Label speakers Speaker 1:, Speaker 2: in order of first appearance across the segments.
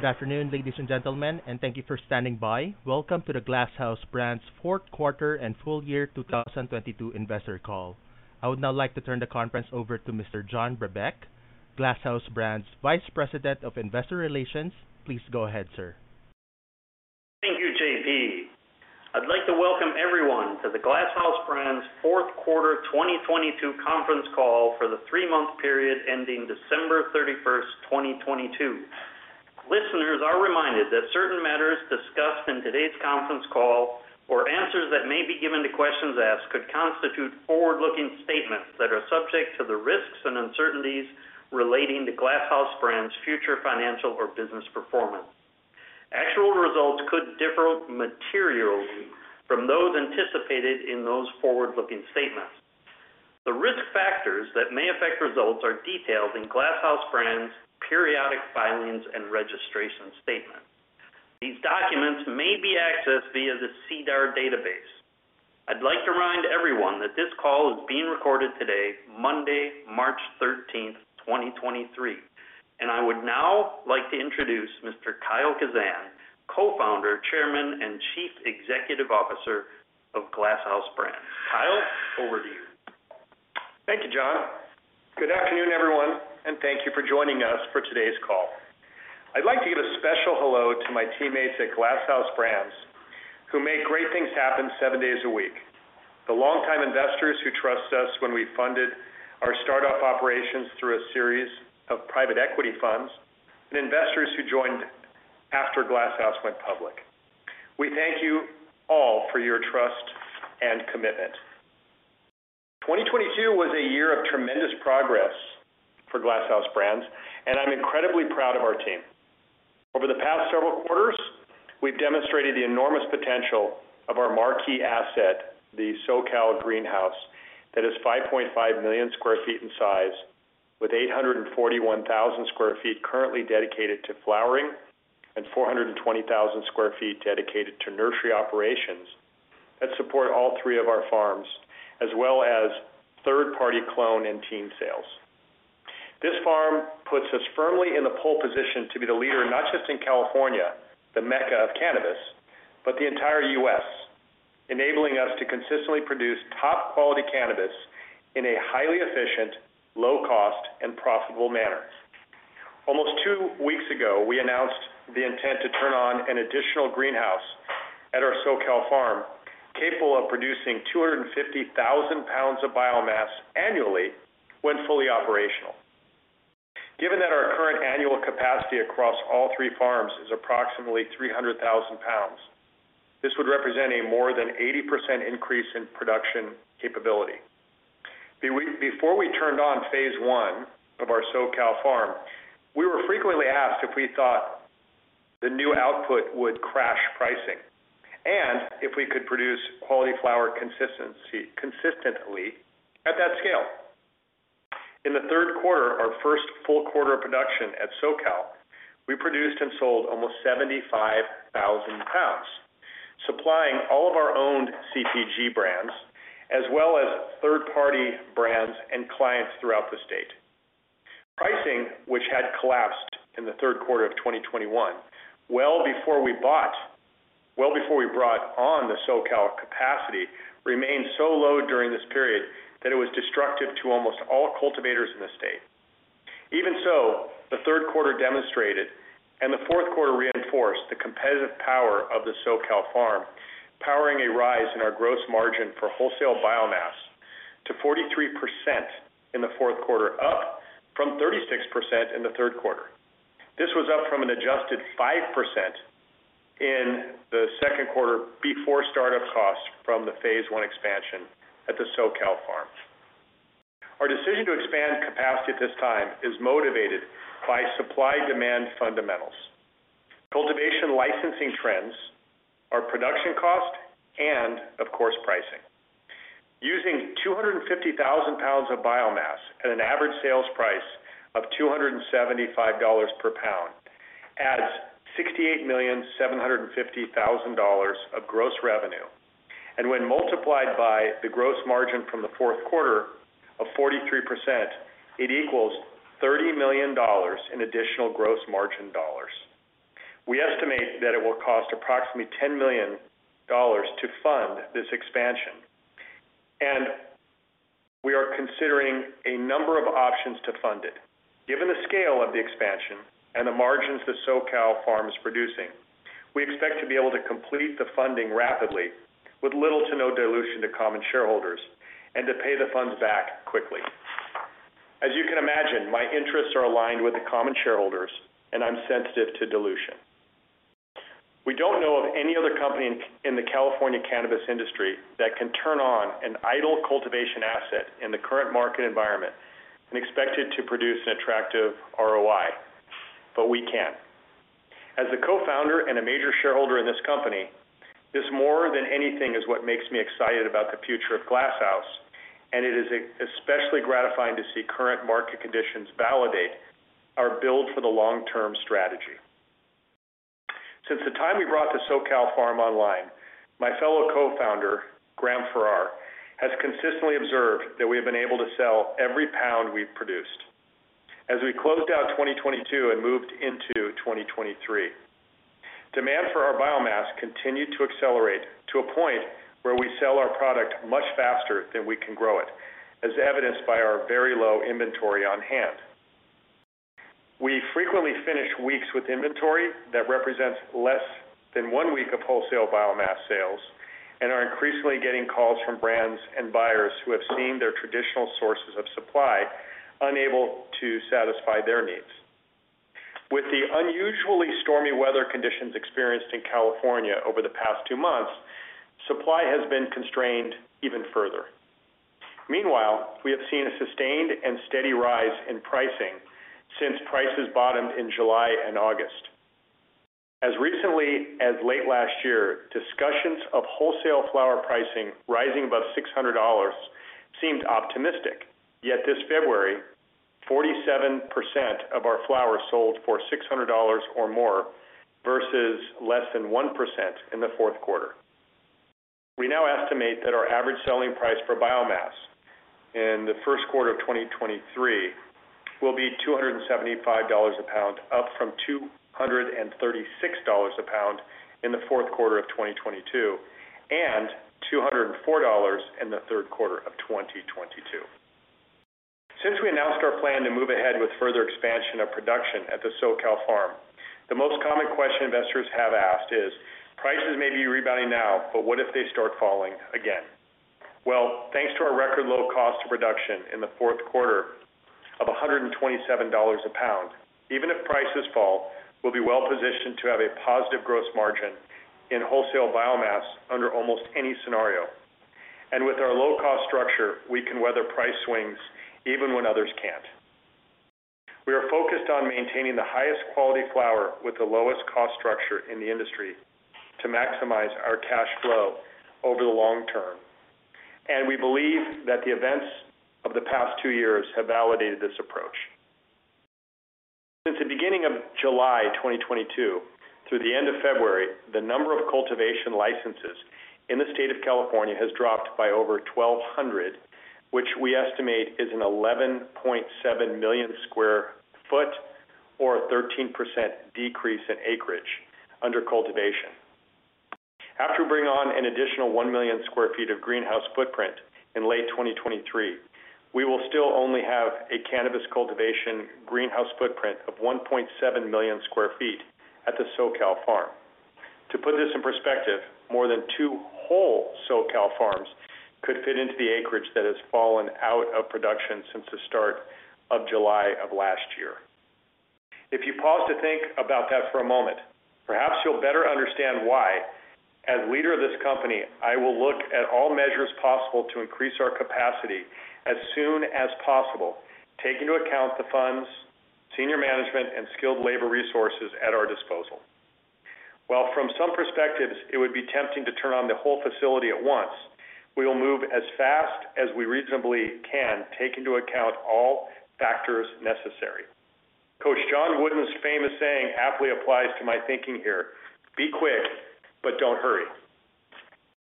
Speaker 1: Good afternoon, ladies and gentlemen, and thank you for standing by. Welcome to the Glass House Brands Fourth Quarter and Full Year 2022 Investor Call. I would now like to turn the conference over to Mr. John Brebeck, Glass House Brands Vice President of Investor Relations. Please go ahead, sir.
Speaker 2: Thank you, JP. I'd like to welcome everyone to the Glass House Brands fourth quarter 2022 conference call for the three-month period ending December 31st, 2022. Listeners are reminded that certain matters discussed in today's conference call or answers that may be given to questions asked could constitute forward-looking statements that are subject to the risks and uncertainties relating to Glass House Brands' future financial or business performance. Actual results could differ materially from those anticipated in those forward-looking statements. The risk factors that may affect results are detailed in Glass House Brands periodic filings and registration statements. These documents may be accessed via the SEDAR database. I'd like to remind everyone that this call is being recorded today, Monday, March 13th, 2023. I would now like to introduce Mr. Kyle Kazan, Co-founder, Chairman, and Chief Executive Officer of Glass House Brands. Kyle, over to you.
Speaker 3: Thank you, Jon. Good afternoon, everyone, and thank you for joining us for today's call. I'd like to give a special hello to my teammates at Glass House Brands who make great things happen seven days a week. The longtime investors who trust us when we funded our startup operations through a series of private equity funds, and investors who joined after Glass House went public. We thank you all for your trust and commitment. 2022 was a year of tremendous progress for Glass House Brands, and I'm incredibly proud of our team. Over the past several quarters, we've demonstrated the enormous potential of our marquee asset, the SoCal Greenhouse, that is 5.5 million sq ft in size, with 841,000 sq ft currently dedicated to flowering and 420,000 sq ft dedicated to nursery operations that support all three of our farms as well as third-party clone and team sales. This farm puts us firmly in the pole position to be the leader, not just in California, the mecca of cannabis, but the entire U.S., enabling us to consistently produce top-quality cannabis in a highly efficient, low cost, and profitable manner. Almost two weeks ago, we announced the intent to turn on an additional greenhouse at our SoCal farm, capable of producing 250,000 pounds of biomass annually when fully operational. Given that our current annual capacity across all three farms is approximately 300,000 pounds, this would represent a more than 80% increase in production capability. Before we turned on phase one of our SoCal farm, we were frequently asked if we thought the new output would crash pricing, and if we could produce quality flower consistently at that scale. In the third quarter, our first full quarter of production at SoCal, we produced and sold almost 75,000 pounds, supplying all of our own CPG brands, as well as third-party brands and clients throughout the state. Pricing, which had collapsed in the third quarter of 2021, well before we brought on the SoCal capacity, remained so low during this period that it was destructive to almost all cultivators in the state. Even so, the third quarter demonstrated, and the fourth quarter reinforced the competitive power of the SoCal farm, powering a rise in our gross margin for wholesale biomass to 43% in the fourth quarter, up from 36% in the third quarter. This was up from an adjusted 5% in the second quarter before start-up costs from the phase one expansion at the SoCal farm. Our decision to expand capacity at this time is motivated by supply-demand fundamentals, cultivation licensing trends, our production cost, and of course, pricing. Using 250,000 pounds of biomass at an average sales price of $275 per pound adds $68,750,000 of gross revenue. When multiplied by the gross margin from the fourth quarter of 43%, it equals $30 million in additional gross margin dollars. We estimate that it will cost approximately $10 million to fund this expansion. We are considering a number of options to fund it. Given the scale of the expansion and the margins the SoCal farm is producing, we expect to be able to complete the funding rapidly with little to no dilution to common shareholders and to pay the funds back quickly. You can imagine, my interests are aligned with the common shareholders and I'm sensitive to dilution. We don't know of any other company in the California cannabis industry that can turn on an idle cultivation asset in the current market environment and expect it to produce an attractive ROI. We can. As a co-founder and a major shareholder in this company, this more than anything is what makes me excited about the future of Glass House. It is especially gratifying to see current market conditions validate our build for the long-term strategy. Since the time we brought the SoCal farm online, my fellow co-founder, Graham Farrar, has consistently observed that we have been able to sell every pound we've produced. As we closed out 2022 and moved into 2023, demand for our biomass continued to accelerate to a point where we sell our product much faster than we can grow it, as evidenced by our very low inventory on hand. We frequently finish weeks with inventory that represents less than one week of wholesale biomass sales and are increasingly getting calls from brands and buyers who have seen their traditional sources of supply unable to satisfy their needs. With the unusually stormy weather conditions experienced in California over the past two months, supply has been constrained even further. Meanwhile, we have seen a sustained and steady rise in pricing since prices bottomed in July and August. As recently as late last year, discussions of wholesale flower pricing rising above $600 seemed optimistic. Yet this February, 47% of our flowers sold for $600 or more, versus less than 1% in the fourth quarter. We now estimate that our average selling price per biomass in the first quarter of 2023 will be $275 a pound, up from $236 a pound in the fourth quarter of 2022, and $204 in the third quarter of 2022. Since we announced our plan to move ahead with further expansion of production at the SoCal farm, the most common question investors have asked is, prices may be rebounding now, but what if they start falling again? Thanks to our record low cost of production in the fourth quarter of $127 a pound, even if prices fall, we'll be well-positioned to have a positive gross margin in wholesale biomass under almost any scenario. With our low-cost structure, we can weather price swings even when others can't. We are focused on maintaining the highest quality flower with the lowest cost structure in the industry to maximize our cash flow over the long term, and we believe that the events of the past two years have validated this approach. Since the beginning of July 2022 through the end of February, the number of cultivation licenses in the state of California has dropped by over 1,200, which we estimate is an 11.7 million sq ft or a 13% decrease in acreage under cultivation. After we bring on an additional 1 million sq ft of greenhouse footprint in late 2023, we will still only have a cannabis cultivation greenhouse footprint of 1.7 million sq ft at the SoCal farm. To put this in perspective, more than two whole SoCal farms could fit into the acreage that has fallen out of production since the start of July of last year. If you pause to think about that for a moment, perhaps you'll better understand why, as leader of this company, I will look at all measures possible to increase our capacity as soon as possible, take into account the funds, senior management, and skilled labor resources at our disposal. While from some perspectives, it would be tempting to turn on the whole facility at once, we will move as fast as we reasonably can take into account all factors necessary. Coach John Wooden's famous saying aptly applies to my thinking here, "Be quick, but don't hurry."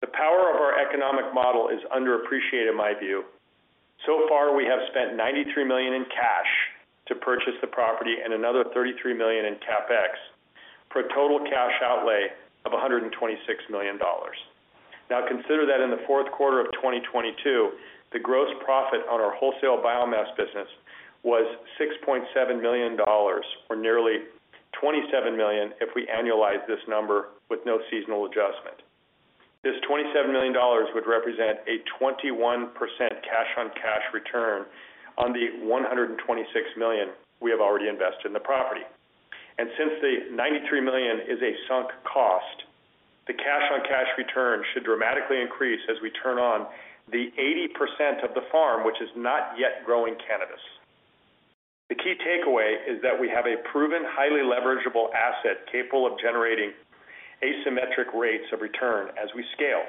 Speaker 3: The power of our economic model is underappreciated, in my view. So far, we have spent $93 million in cash to purchase the property and another $33 million in CapEx for a total cash outlay of $126 million. Now, consider that in the fourth quarter of 2022, the gross profit on our wholesale biomass business was $6.7 million, or nearly $27 million if we annualize this number with no seasonal adjustment. This $27 million would represent a 21% cash-on-cash return on the $126 million we have already invested in the property. Since the $93 million is a sunk cost, the cash-on-cash return should dramatically increase as we turn on the 80% of the farm, which is not yet growing cannabis. The key takeaway is that we have a proven, highly leverageable asset capable of generating asymmetric rates of return as we scale.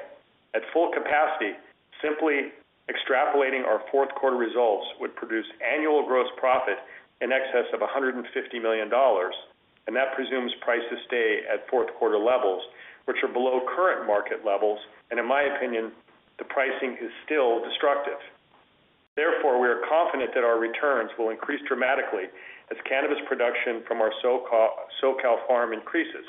Speaker 3: At full capacity, simply extrapolating our fourth quarter results would produce annual gross profit in excess of $150 million, that presumes prices stay at fourth quarter levels, which are below current market levels, in my opinion, the pricing is still destructive. Therefore, we are confident that our returns will increase dramatically as cannabis production from our SoCal farm increases.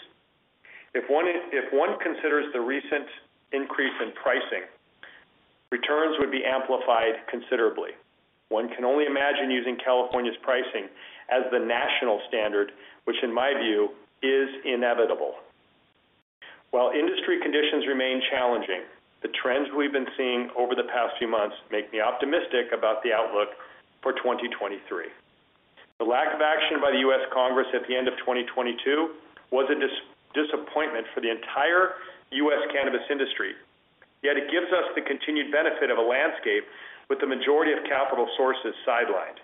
Speaker 3: If one considers the recent increase in pricing, returns would be amplified considerably. One can only imagine using California's pricing as the national standard, which in my view is inevitable. While industry conditions remain challenging, the trends we've been seeing over the past few months make me optimistic about the outlook for 2023. The lack of action by the U.S. Congress at the end of 2022 was a disappointment for the entire U.S. cannabis industry. It gives us the continued benefit of a landscape with the majority of capital sources sidelined.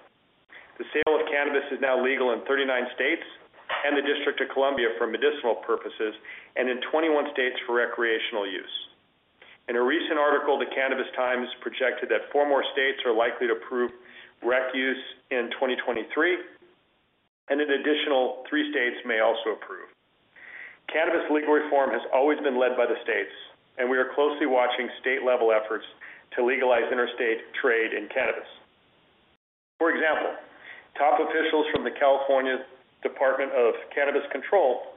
Speaker 3: The sale of cannabis is now legal in 39 states and D.C. for medicinal purposes, and in 21 states for recreational use. In a recent article, the Cannabis Times projected that four more states are likely to approve rec use in 2023, and an additional three states may also approve. Cannabis legal reform has always been led by the states. We are closely watching state-level efforts to legalize interstate trade in cannabis. For example, top officials from the California Department of Cannabis Control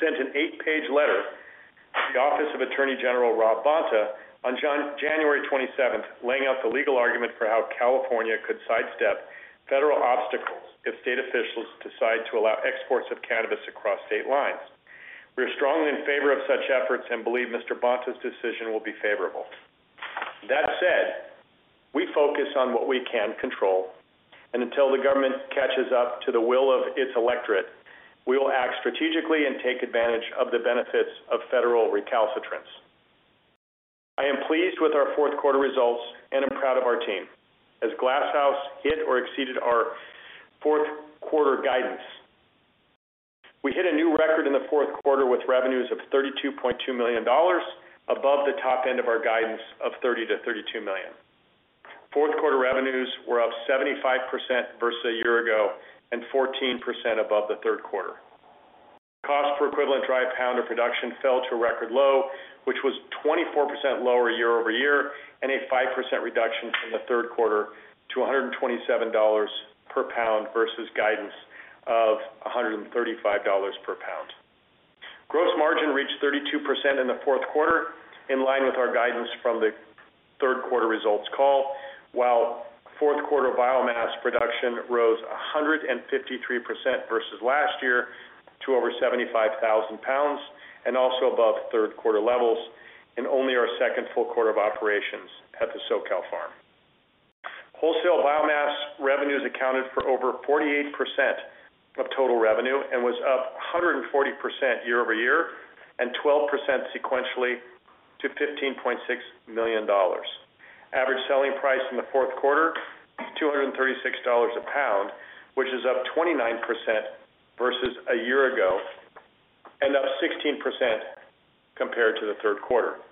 Speaker 3: sent an eight-page letter to the Office of Attorney General Rob Bonta on January 27th, laying out the legal argument for how California could sidestep federal obstacles if state officials decide to allow exports of cannabis across state lines. We are strongly in favor of such efforts and believe Mr. Bonta's decision will be favorable. That said, we focus on what we can control, and until the government catches up to the will of its electorate, we will act strategically and take advantage of the benefits of federal recalcitrance. I am pleased with our fourth-quarter results and am proud of our team as Glass House hit or exceeded our fourth-quarter guidance. We hit a new record in the fourth quarter with revenues of $32.2 million above the top end of our guidance of $30 million-$32 million. Fourth-quarter revenues were up 75% versus a year ago and 14% above the third quarter. Cost per equivalent dry pound of production fell to a record low, which was 24% lower year-over-year and a 5% reduction from the third quarter to $127 per pound versus guidance of $135 per pound. Gross margin reached 32% in the fourth quarter, in line with our guidance from the third-quarter results call, while fourth-quarter biomass production rose 153% versus last year to over 75,000 pounds and also above third-quarter levels in only our second full quarter of operations at the SoCal farm. Wholesale biomass revenues accounted for over 48% of total revenue and was up 140% year-over-year and 12% sequentially to $15.6 million. Average selling price in the fourth quarter, $236 a pound, which is up 29% versus a year ago and up 16% compared to the third quarter.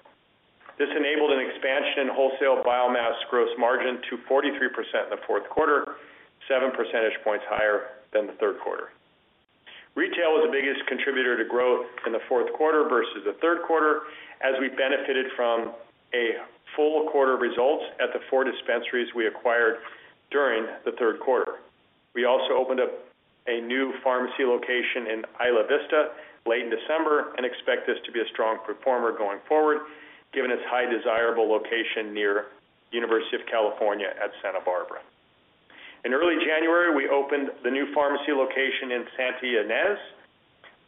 Speaker 3: This enabled an expansion in wholesale biomass gross margin to 43% in the fourth quarter, 7 percentage points higher than the third quarter. Retail was the biggest contributor to growth in the fourth quarter versus the third quarter, as we benefited from a full quarter of results at the four dispensaries we acquired during the third quarter. We also opened up a new Farmacy location in Isla Vista late in December and expect this to be a strong performer going forward, given its high desirable location near University of California, Santa Barbara. In early January, we opened the new Farmacy location in Santa Ynez.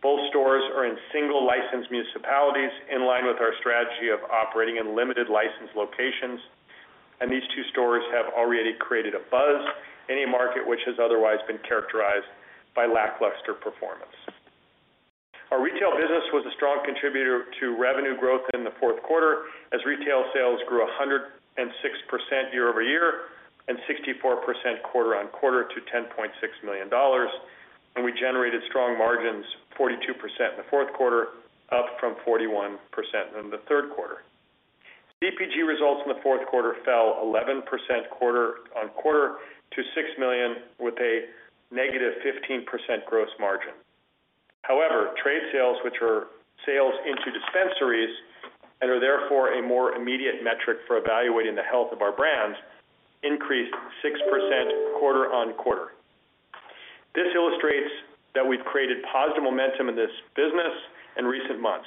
Speaker 3: Both stores are in single-licensed municipalities in line with our strategy of operating in limited licensed locations, and these two stores have already created a buzz in a market which has otherwise been characterized by lackluster performance. Our retail business was a strong contributor to revenue growth in the fourth quarter as retail sales grew 106% year-over-year and 64% quarter-on-quarter to $10.6 million. We generated strong margins, 42% in the fourth quarter, up from 41% in the third quarter. CPG results in the fourth quarter fell 11% quarter-on-quarter to $6 million, with a negative 15% gross margin. However, trade sales, which are sales into dispensaries and are therefore a more immediate metric for evaluating the health of our brands, increased 6% quarter-on-quarter. This illustrates that we've created positive momentum in this business in recent months.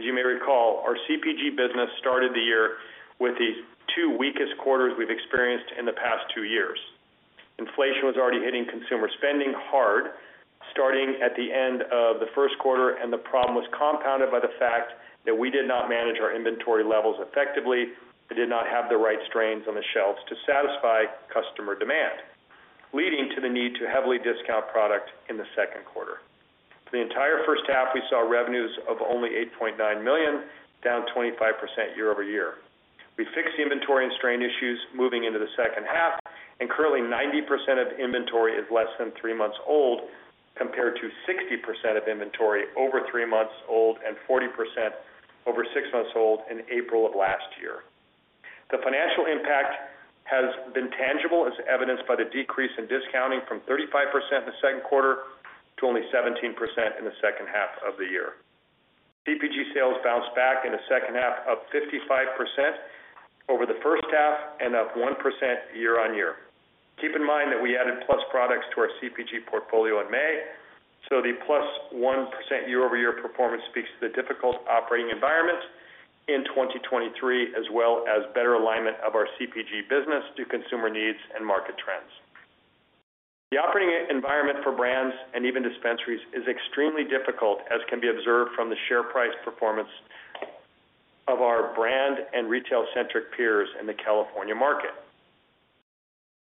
Speaker 3: As you may recall, our CPG business started the year with the two weakest quarters we've experienced in the past two years. Inflation was already hitting consumer spending hard starting at the end of the first quarter, and the problem was compounded by the fact that we did not manage our inventory levels effectively and did not have the right strains on the shelves to satisfy customer demand, leading to the need to heavily discount product in the second quarter. For the entire first half, we saw revenues of only $8.9 million, down 25% year-over-year. We fixed the inventory and strain issues moving into the second half. Currently, 90% of inventory is less than three months old, compared to 60% of inventory over three months old and 40% over six months old in April of last year. The financial impact has been tangible, as evidenced by the decrease in discounting from 35% in the second quarter to only 17% in the second half of the year. CPG sales bounced back in the second half, up 55% over the first half and up 1% year-on-year. Keep in mind that we added PLUS products to our CPG portfolio in May, so the PLUS 1% year-over-year performance speaks to the difficult operating environment in 2023, as well as better alignment of our CPG business to consumer needs and market trends. The operating environment for brands and even dispensaries is extremely difficult, as can be observed from the share price performance of our brand and retail-centric peers in the California market.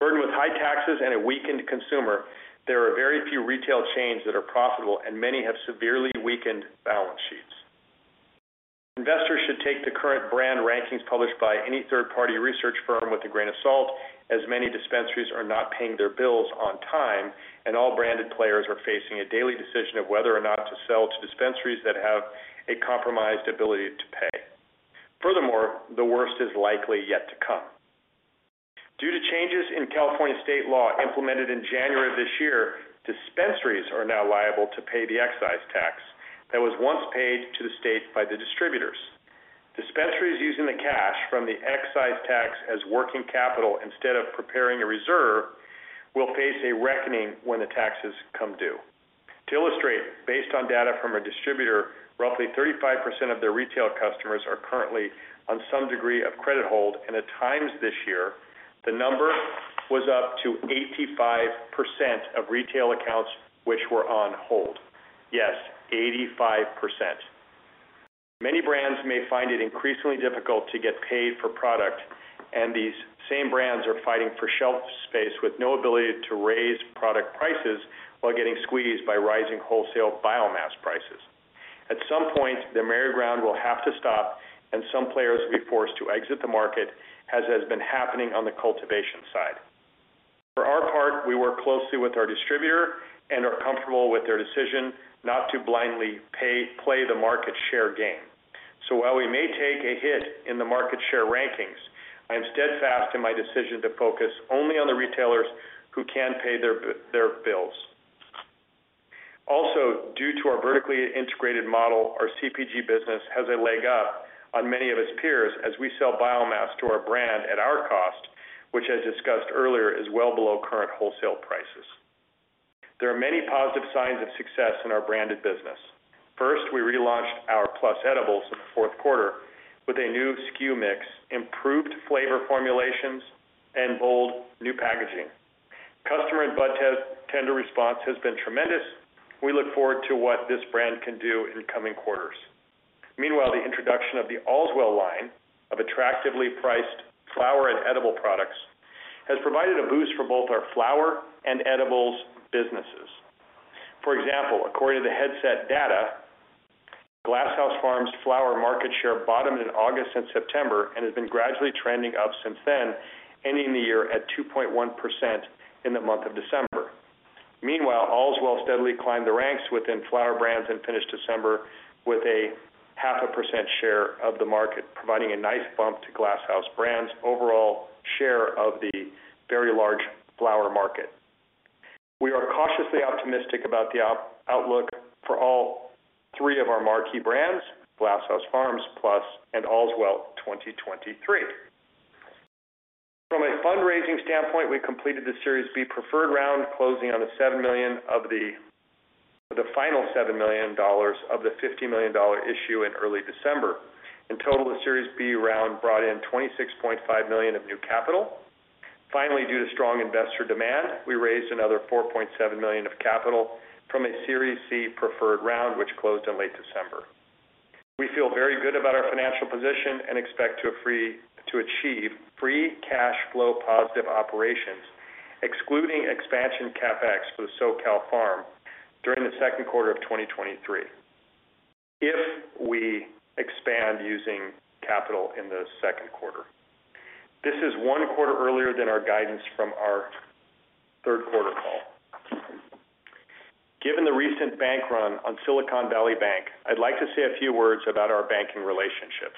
Speaker 3: Burdened with high taxes and a weakened consumer, there are very few retail chains that are profitable, and many have severely weakened balance sheets. Investors should take the current brand rankings published by any third-party research firm with a grain of salt, as many dispensaries are not paying their bills on time, and all branded players are facing a daily decision of whether or not to sell to dispensaries that have a compromised ability to pay. Furthermore, the worst is likely yet to come. Due to changes in California state law implemented in January of this year, dispensaries are now liable to pay the excise tax that was once paid to the state by the distributors. Dispensaries using the cash from the excise tax as working capital instead of preparing a reserve will face a reckoning when the taxes come due. To illustrate, based on data from a distributor, roughly 35% of their retail customers are currently on some degree of credit hold, and at times this year, the number was up to 85% of retail accounts which were on hold. Yes, 85%. Many brands may find it increasingly difficult to get paid for product, and these same brands are fighting for shelf space with no ability to raise product prices while getting squeezed by rising wholesale biomass prices. At some point, the merry-go-round will have to stop and some players will be forced to exit the market, as has been happening on the cultivation side. For our part, we work closely with our distributor and are comfortable with their decision not to blindly play the market share game. While we may take a hit in the market share rankings, I am steadfast in my decision to focus only on the retailers who can pay their bills. Due to our vertically integrated model, our CPG business has a leg up on many of its peers as we sell biomass to our brand at our cost, which, as discussed earlier, is well below current wholesale prices. There are many positive signs of success in our branded business. First, we relaunched our PLUS edibles in the fourth quarter with a new SKU mix, improved flavor formulations, and bold new packaging. Customer and budtender response has been tremendous. We look forward to what this brand can do in the coming quarters. The introduction of the Allswell line of attractively priced flower and edible products has provided a boost for both our flower and edibles businesses. For example, according to the Headset data, Glass House Farms flower market share bottomed in August and September and has been gradually trending up since then, ending the year at 2.1% in the month of December. Allswell steadily climbed the ranks within flower brands and finished December with a 0.5% share of the market, providing a nice bump to Glass House Brands' overall share of the very large flower market. We are cautiously optimistic about the outlook for all three of our marquee brands, Glass House Farms, PLUS, and Allswell 2023. From a fundraising standpoint, we completed the Series B preferred round, closing on the $7 million of the final $70 million of the $50 million issue in early December. In total, the Series B round brought in $26.5 million of new capital. Due to strong investor demand, we raised another $4.7 million of capital from a Series C preferred round, which closed in late December. We feel very good about our financial position and expect to achieve free cash flow-positive operations, excluding expansion CapEx for the SoCal farm during the second quarter of 2023, if we expand using capital in the second quarter. This is one quarter earlier than our guidance from our third-quarter call. Given the recent bank run on Silicon Valley Bank, I'd like to say a few words about our banking relationship.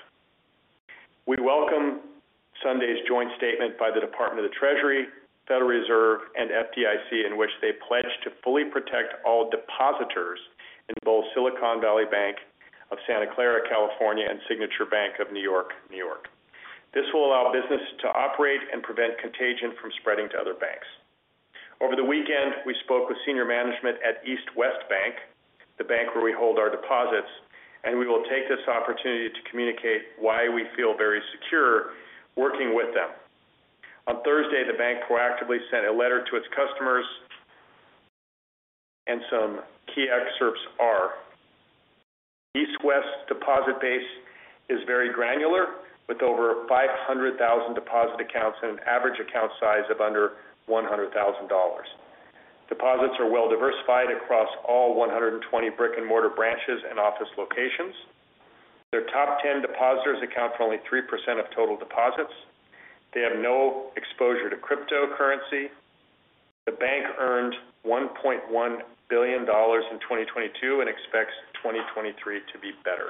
Speaker 3: We welcome Sunday's joint statement by the Department of the Treasury, Federal Reserve, and FDIC, in which they pledged to fully protect all depositors in both Silicon Valley Bank of Santa Clara, California, and Signature Bank of New York, New York. This will allow business to operate and prevent contagion from spreading to other banks. Over the weekend, we spoke with senior management at East West Bank, the bank where we hold our deposits, and we will take this opportunity to communicate why we feel very secure working with them. Some key excerpts are: East West deposit base is very granular, with over 500,000 deposit accounts and an average account size of under $100,000. Deposits are well diversified across all 120 brick-and-mortar branches and office locations. Their top 10 depositors account for only 3% of total deposits. They have no exposure to cryptocurrency. The bank earned $1.1 billion in 2022, and expects 2023 to be better.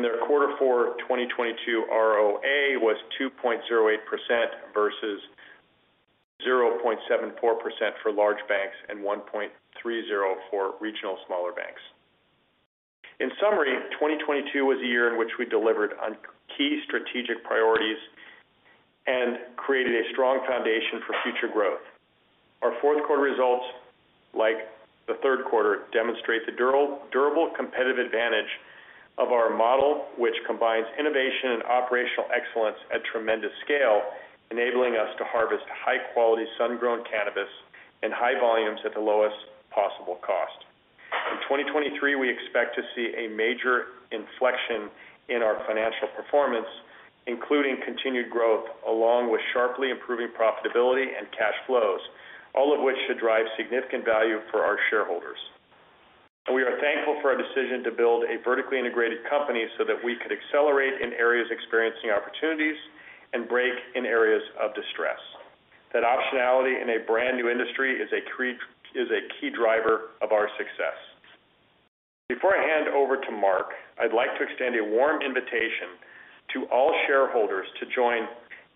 Speaker 3: Their Q4 2022 ROA was 2.08% versus 0.74% for large banks and 1.30% for regional smaller banks. In summary, 2022 was a year in which we delivered on key strategic priorities and created a strong foundation for future growth. Our fourth quarter results, like the third quarter, demonstrate the durable competitive advantage of our model, which combines innovation and operational excellence at tremendous scale, enabling us to harvest high-quality sun-grown cannabis in high volumes at the lowest possible cost. In 2023, we expect to see a major inflection in our financial performance, including continued growth along with sharply improving profitability and cash flows, all of which should drive significant value for our shareholders. We are thankful for our decision to build a vertically integrated company so that we could accelerate in areas experiencing opportunities and brake in areas of distress. That optionality in a brand-new industry is a key driver of our success. Before I hand over to Mark, I'd like to extend a warm invitation to all shareholders to join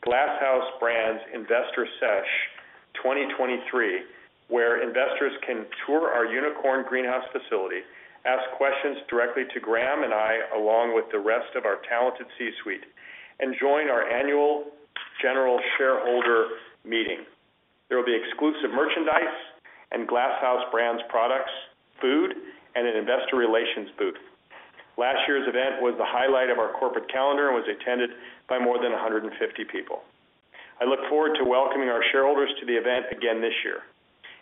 Speaker 3: Glass House Brands Investor Sesh 2023, where investors can tour our unicorn greenhouse facility, ask questions directly to Graham and I, along with the rest of our talented C-suite, and join our annual general shareholder meeting. There will be exclusive merchandise and Glass House Brands products, food, and an investor relations booth. Last year's event was the highlight of our corporate calendar and was attended by more than 150 people. I look forward to welcoming our shareholders to the event again this year.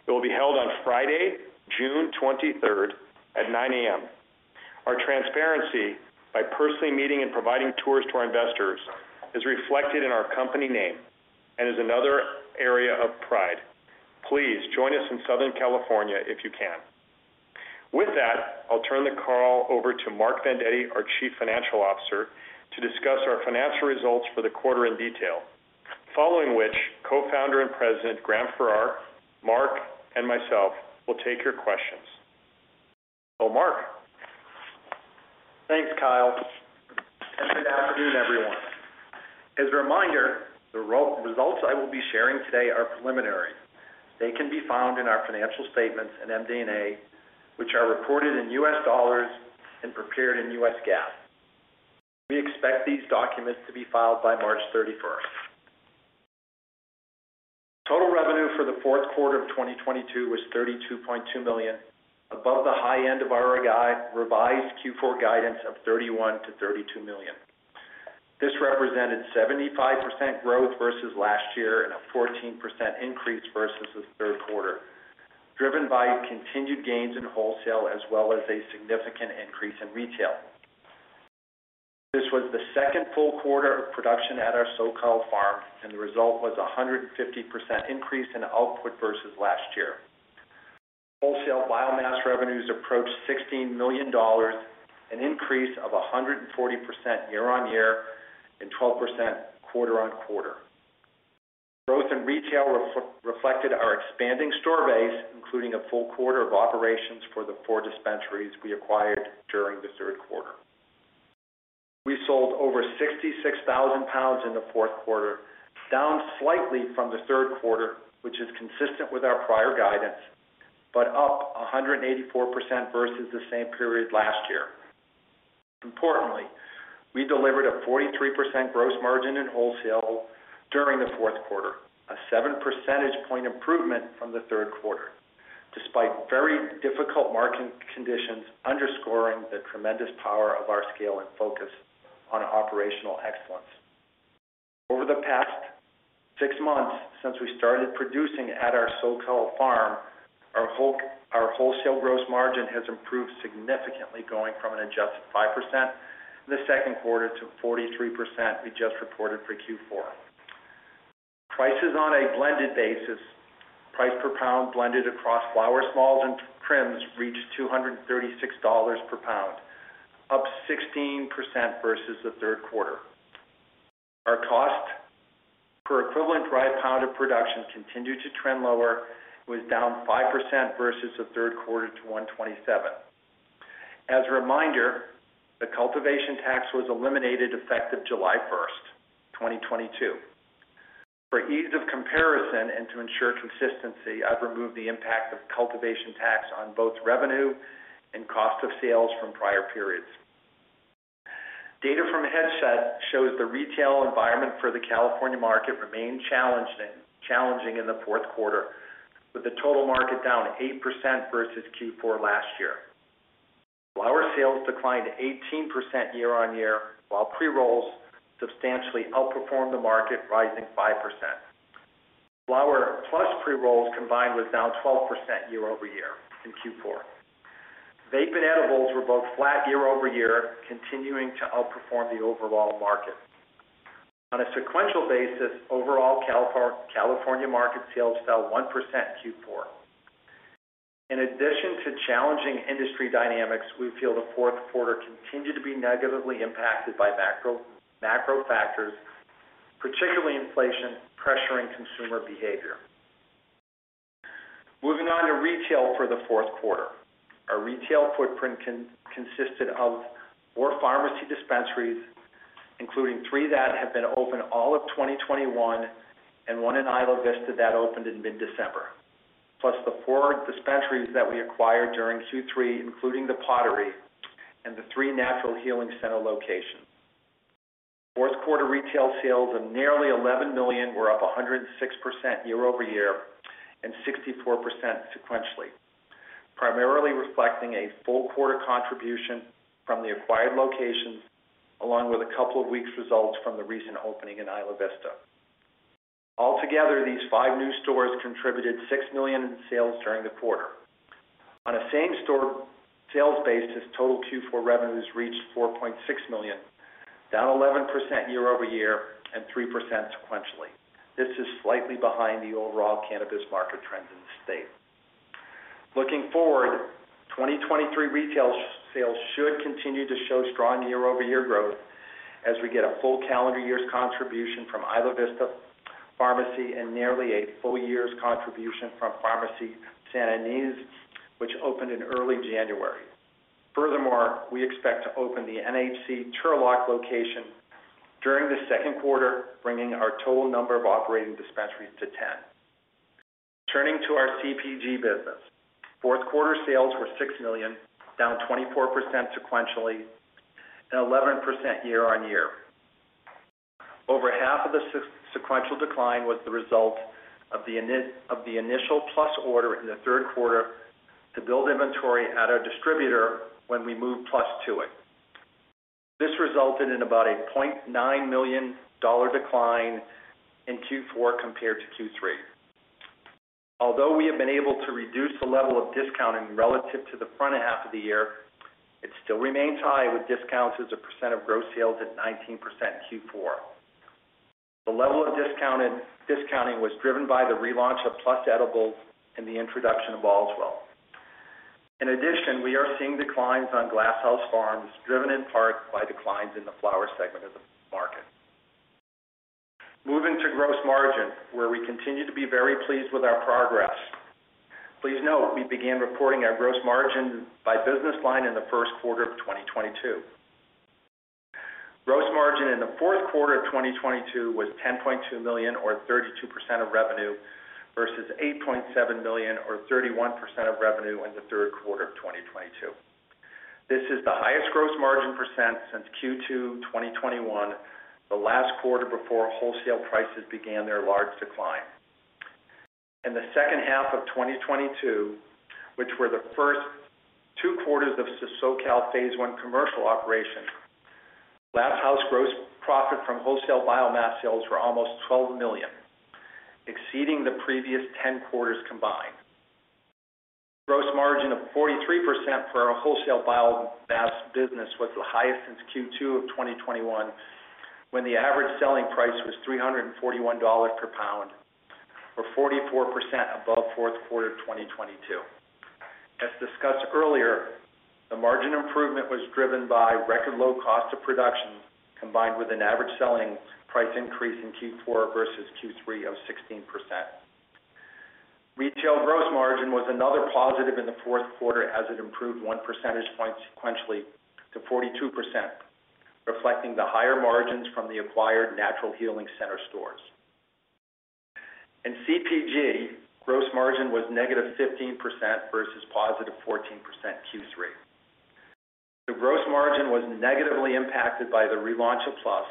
Speaker 3: It will be held on Friday, June 23rd at 9:00 A.M. Our transparency by personally meeting and providing tours to our investors is reflected in our company name and is another area of pride. Please join us in Southern California if you can. I'll turn the call over to Mark Vendetti, our Chief Financial Officer, to discuss our financial results for the quarter in detail. Following which, Co-founder and President, Graham Farrar, Mark, and myself will take your questions. Mark.
Speaker 4: Thanks, Kyle. Good afternoon, everyone. As a reminder, the results I will be sharing today are preliminary. They can be found in our financial statements and MD&A, which are reported in U.S. dollars and prepared in U.S. GAAP. We expect these documents to be filed by March 31st. Total revenue for the fourth quarter of 2022 was $32.2 million, above the high end of our revised Q4 guidance of $31 million-$32 million. This represented 75% growth versus last year and a 14% increase versus the third quarter, driven by continued gains in wholesale as well as a significant increase in retail. This was the second full quarter of production at our SoCal farm. The result was a 150% increase in output versus last year. Wholesale biomass revenues approached $16 million, an increase of 140% year-on-year and 12% quarter-on-quarter. Growth in retail reflected our expanding store base, including a full quarter of operations for the four dispensaries we acquired during the third quarter. We sold over 66,000 pounds in the fourth quarter, down slightly from the third quarter, which is consistent with our prior guidance, up 184% versus the same period last year. Importantly, we delivered a 43% gross margin in wholesale during the fourth quarter, a 7 percentage point improvement from the third quarter, despite very difficult market conditions underscoring the tremendous power of our scale and focus on operational excellence. Over the past six months since we started producing at our SoCal farm, our wholesale gross margin has improved significantly, going from an adjusted 5% in the second quarter to 43% we just reported for Q4. Prices on a blended basis, price per pound blended across flower, smalls, and trims reached $236 per pound, up 16% versus the third quarter. Our cost per equivalent dried pound of production continued to trend lower, was down 5% versus the third quarter to $127. As a reminder, the cultivation tax was eliminated effective July 1st, 2022. For ease of comparison and to ensure consistency, I've removed the impact of cultivation tax on both revenue and cost of sales from prior periods. Data from Headset shows the retail environment for the California market remained challenging in the fourth quarter, with the total market down 8% versus Q4 last year. Flower sales declined 18% year-on-year, while pre-rolls substantially outperformed the market, rising 5%. Flower plus pre-rolls combined was down 12% year-over-year in Q4. Vape and edibles were both flat year-over-year, continuing to outperform the overall market. On a sequential basis, overall California market sales fell 1% Q4. In addition to challenging industry dynamics, we feel the fourth quarter continued to be negatively impacted by macro factors, particularly inflation pressuring consumer behavior. Moving on to retail for the fourth quarter. Our retail footprint consisted of four Farmacy dispensaries, including three that have been open all of 2021 and one in Isla Vista that opened in mid-December, plus the four dispensaries that we acquired during Q3, including The Pottery and the three Natural Healing Center locations. Fourth quarter retail sales of nearly $11 million were up 106% year-over-year and 64% sequentially, primarily reflecting a full quarter contribution from the acquired locations, along with a couple of weeks' results from the recent opening in Isla Vista. Altogether, these five new stores contributed $6 million in sales during the quarter. On a same-store sales basis, total Q4 revenues reached $4.6 million, down 11% year-over-year and 3% sequentially. This is slightly behind the overall cannabis market trends in the state. Looking forward, 2023 retail sales should continue to show strong year-over-year growth as we get a full calendar year's contribution from Isla Vista Farmacy and nearly a full year's contribution from Farmacy Santa Ynez, which opened in early January. Furthermore, we expect to open the NHC Turlock location during the second quarter, bringing our total number of operating dispensaries to 10. Turning to our CPG business, fourth quarter sales were $6 million, down 24% sequentially and 11% year-on-year. Over half of the sequential decline was the result of the initial Plus order in the third quarter to build inventory at our distributor when we moved Plus to it. This resulted in about a $0.9 million decline in Q4 compared to Q3. Although we have been able to reduce the level of discounting relative to the front half of the year, it still remains high, with discounts as a percent of gross sales at 19% Q4. The level of discounting was driven by the relaunch of PLUS edibles and the introduction of Allswell. In addition, we are seeing declines on Glass House Farms, driven in part by declines in the flower segment of the market. Moving to gross margin, where we continue to be very pleased with our progress. Please note we began reporting our gross margin by business line in the first quarter of 2022. Gross margin in the fourth quarter of 2022 was $10.2 million or 32% of revenue versus $8.7 million or 31% of revenue in the third quarter of 2022. This is the highest gross margin % since Q2 2021, the last quarter before wholesale prices began their large decline. In the second half of 2022, which were the first two quarters of SoCal phase one commercial operation, Glass House gross profit from wholesale biomass sales were almost $12 million, exceeding the previous 10 quarters combined. Gross margin of 43% for our wholesale biomass business was the highest since Q2 of 2021, when the average selling price was $341 per pound, or 44% above fourth quarter of 2022. As discussed earlier, the margin improvement was driven by record low cost of production combined with an average selling price increase in Q4 versus Q3 of 16%. Retail gross margin was another positive in the fourth quarter as it improved 1 percentage point sequentially to 42%, reflecting the higher margins from the acquired Natural Healing Center stores. In CPG, gross margin was -15% versus +14% Q3. The gross margin was negatively impacted by the relaunch of PLUS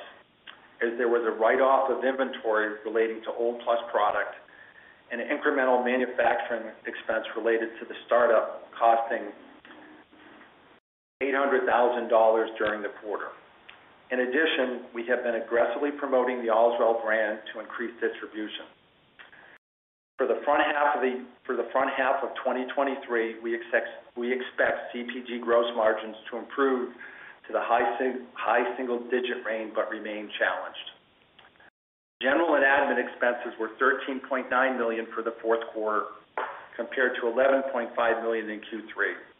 Speaker 4: as there was a write-off of inventory relating to old PLUS product and incremental manufacturing expense related to the startup costing $800,000 during the quarter. In addition, we have been aggressively promoting the Allswell brand to increase distribution. For the front half of 2023, we expect CPG gross margins to improve to the high single-digit range but remain challenged. General and admin expenses were $13.9 million for the fourth quarter, compared to $11.5 million in Q3.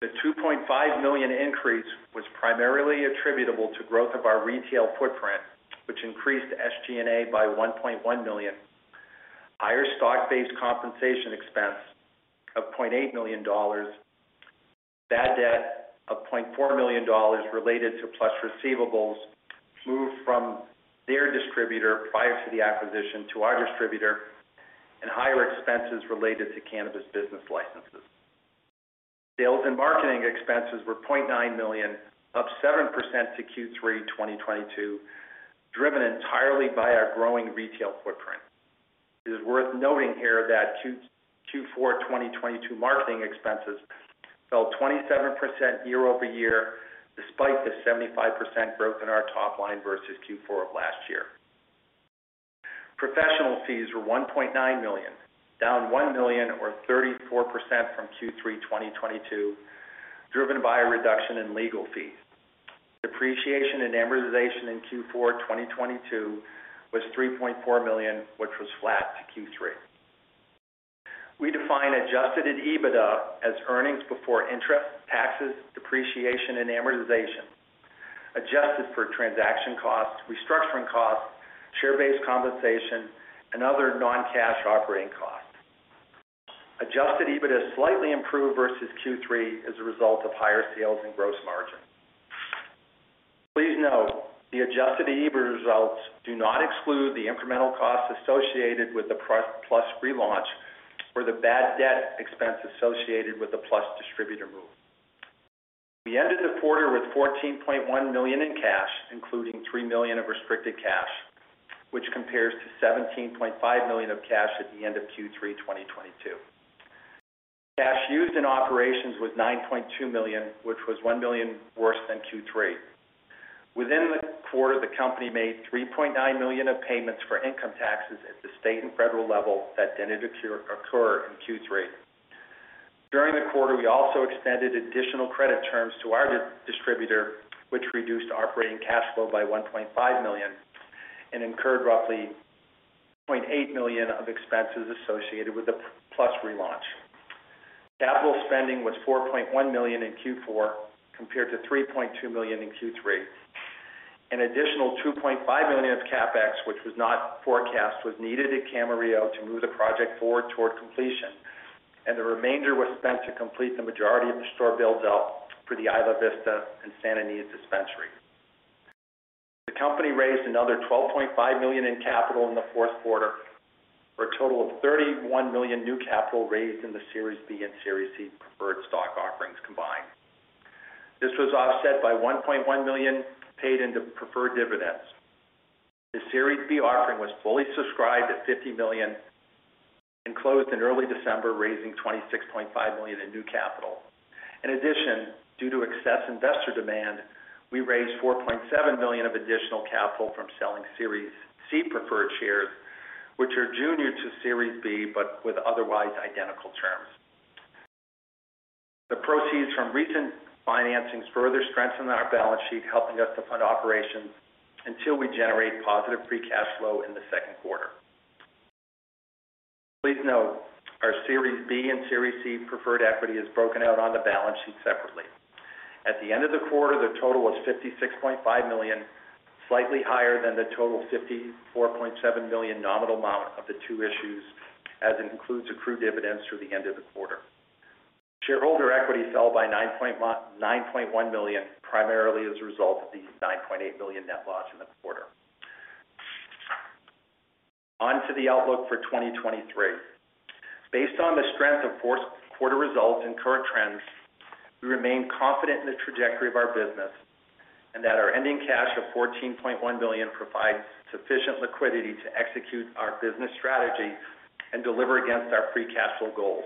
Speaker 4: The $2.5 million increase was primarily attributable to growth of our retail footprint, which increased SG&A by $1.1 million, higher stock-based compensation expense of $0.8 million, bad debt of $0.4 million related to PLUS receivables moved from their distributor prior to the acquisition to our distributor, and higher expenses related to cannabis business licenses. Sales and marketing expenses were $0.9 million, up 7% to Q3 2022, driven entirely by our growing retail footprint. It is worth noting here that Q4 2022 marketing expenses fell 27% year-over-year, despite the 75% growth in our top line versus Q4 of last year. Professional fees were $1.9 million, down $1 million or 34% from Q3 2022, driven by a reduction in legal fees. Depreciation and amortization in Q4 2022 was $3.4 million, which was flat to Q3. We define adjusted EBITDA as earnings before interest, taxes, depreciation, and amortization, adjusted for transaction costs, restructuring costs, share-based compensation, and other non-cash operating costs. Adjusted EBITDA slightly improved versus Q3 as a result of higher sales and gross margin. Please note the adjusted EBITDA results do not exclude the incremental costs associated with the PLUS relaunch or the bad debt expense associated with the PLUS distributor move. We ended the quarter with $14.1 million in cash, including $3 million of restricted cash, which compares to $17.5 million of cash at the end of Q3 2022. Cash used in operations was $9.2 million, which was $1 million worse than Q3. Within the quarter, the company made $3.9 million of payments for income taxes at the state and federal level that didn't occur in Q3. During the quarter, we also extended additional credit terms to our distributor, which reduced operating cash flow by $1.5 million and incurred roughly $0.8 million of expenses associated with the PLUS relaunch. Capital spending was $4.1 million in Q4 compared to $3.2 million in Q3. An additional $2.5 million of CapEx, which was not forecast, was needed at Camarillo to move the project forward toward completion, and the remainder was spent to complete the majority of the store builds out for the Isla Vista and Santa Ana dispensary. The company raised another $12.5 million in capital in the fourth quarter for a total of $31 million new capital raised in the Series B and Series C preferred stock offerings combined. This was offset by $1.1 million paid into preferred dividends. The Series B offering was fully subscribed at $50 million and closed in early December, raising $26.5 million in new capital. In addition, due to excess investor demand, we raised $4.7 million of additional capital from selling Series C preferred shares, which are junior to Series B but with otherwise identical terms. The proceeds from recent financings further strengthened our balance sheet, helping us to fund operations until we generate positive free cash flow in the second quarter. Please note our Series B and Series C preferred equity is broken out on the balance sheet separately. At the end of the quarter, the total was $56.5 million, slightly higher than the total $54.7 million nominal amount of the two issues as it includes accrued dividends through the end of the quarter. Shareholder equity fell by $9.1 million, primarily as a result of the $9.8 million net loss in the quarter. On to the outlook for 2023. Based on the strength of fourth quarter results and current trends, we remain confident in the trajectory of our business and that our ending cash of $14.1 million provides sufficient liquidity to execute our business strategy and deliver against our free cash flow goals.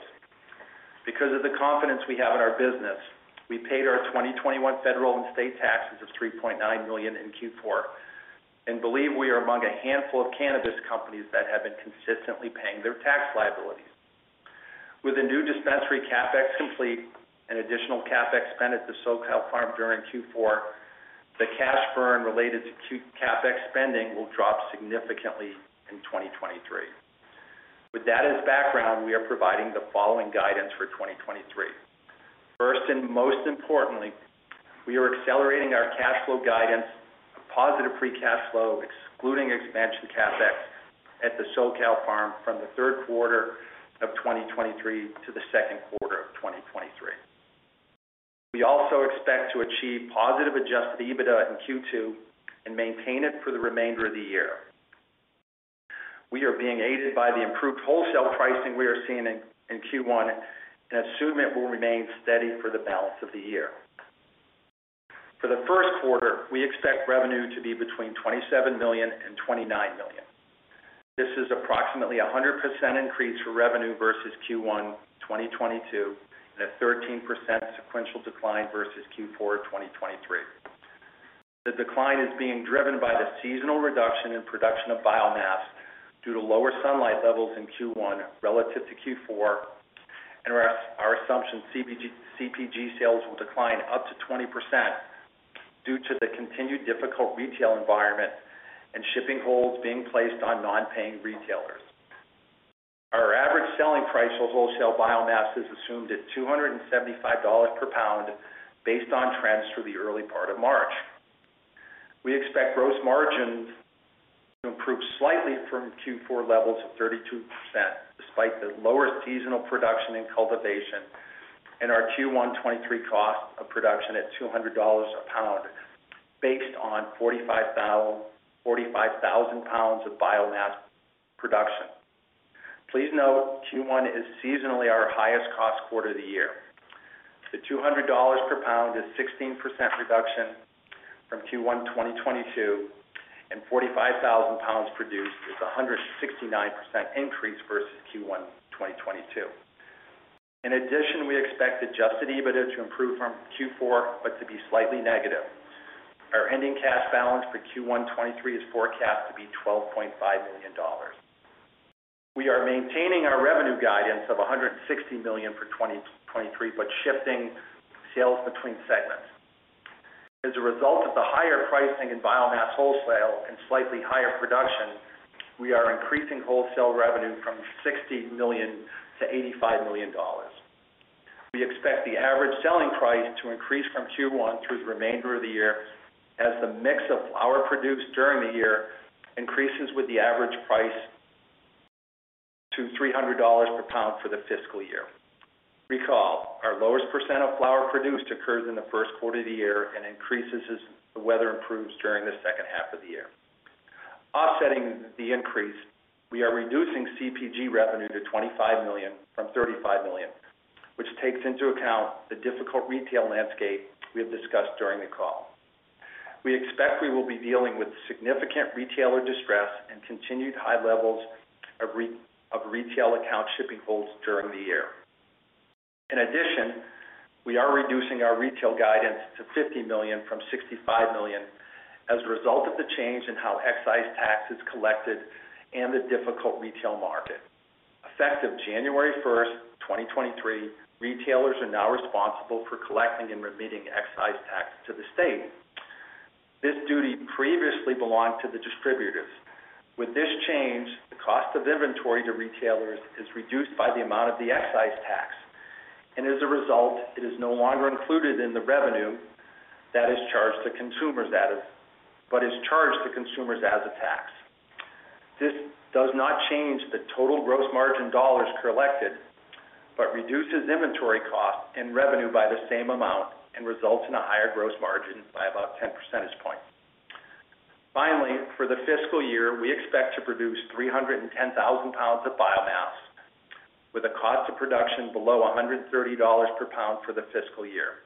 Speaker 4: Because of the confidence we have in our business, we paid our 2021 federal and state taxes of $3.9 million in Q4 and believe we are among a handful of cannabis companies that have been consistently paying their tax liabilities. With the new dispensary CapEx complete and additional CapEx spent at the SoCal farm during Q4, the cash burn related to CapEx spending will drop significantly in 2023. With that as background, we are providing the following guidance for 2023. First and most importantly, we are accelerating our cash flow guidance of positive free cash flow, excluding expansion CapEx at the SoCal farm from the third quarter of 2023 to the second quarter of 2023. We also expect to achieve positive adjusted EBITDA in Q2 and maintain it for the remainder of the year. We are being aided by the improved wholesale pricing we are seeing in Q1 and assume it will remain steady for the balance of the year. For the first quarter, we expect revenue to be between $27 million and $29 million. This is approximately 100% increase for revenue versus Q1 2022 and a 13% sequential decline versus Q4 2023. The decline is being driven by the seasonal reduction in production of biomass due to lower sunlight levels in Q1 relative to Q4 and our assumption CPG sales will decline up to 20% due to the continued difficult retail environment and shipping holds being placed on non-paying retailers. Our average selling price for wholesale biomass is assumed at $275 per pound based on trends through the early part of March. We expect gross margins to improve slightly from Q4 levels of 32% despite the lower seasonal production in cultivation and our Q1 2023 cost of production at $200 a pound based on 45,000 pounds of biomass production. Please note Q1 is seasonally our highest cost quarter of the year. The $200 per pound is 16% reduction from Q1 2022 and 45,000 pounds produced is 169% increase versus Q1 2022. In addition, we expect adjusted EBITDA to improve from Q4 but to be slightly negative. Our ending cash balance for Q123 is forecast to be $12.5 million. We are maintaining our revenue guidance of $160 million for 2023 but shifting sales between segments. As a result of the higher pricing in biomass wholesale and slightly higher production, we are increasing wholesale revenue from $60 million to $85 million. We expect the average selling price to increase from Q1 through the remainder of the year as the mix of flower produced during the year increases with the average price to $300 per pound for the fiscal year. Recall, our lowest percent of flower produced occurs in the first quarter of the year and increases as the weather improves during the second half of the year. Offsetting the increase, we are reducing CPG revenue to $25 million from $35 million, which takes into account the difficult retail landscape we have discussed during the call. We expect we will be dealing with significant retailer distress and continued high levels of retail account shipping holds during the year. In addition, we are reducing our retail guidance to $50 million from $65 million as a result of the change in how excise tax is collected and the difficult retail market. Effective January 1st, 2023, retailers are now responsible for collecting and remitting excise tax to the state. This duty previously belonged to the distributors. With this change, the cost of inventory to retailers is reduced by the amount of the excise tax. As a result, it is no longer included in the revenue that is charged to consumers but is charged to consumers as a tax. This does not change the total gross margin dollars collected, reduces inventory costs and revenue by the same amount and results in a higher gross margin by about 10 percentage points. Finally, for the fiscal year, we expect to produce 310,000 pounds of biomass, with a cost of production below $130 per pound for the fiscal year.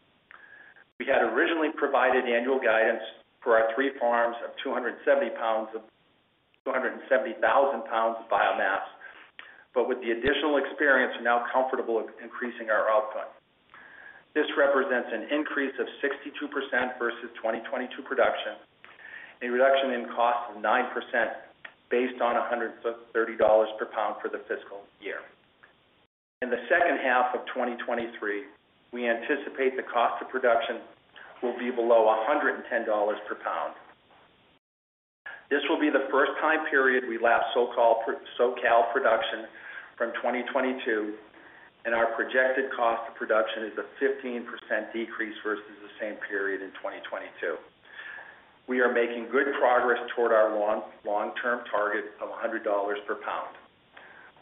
Speaker 4: We had originally provided annual guidance for our three farms of 270,000 pounds of biomass, with the additional experience, we're now comfortable with increasing our output. This represents an increase of 62% versus 2022 production, a reduction in cost of 9% based on $130 per pound for the fiscal year. In the second half of 2023, we anticipate the cost of production will be below $110 per pound. This will be the first time period we lap SoCal production from 2022. Our projected cost of production is a 15% decrease versus the same period in 2022. We are making good progress toward our long-term target of $100 per pound.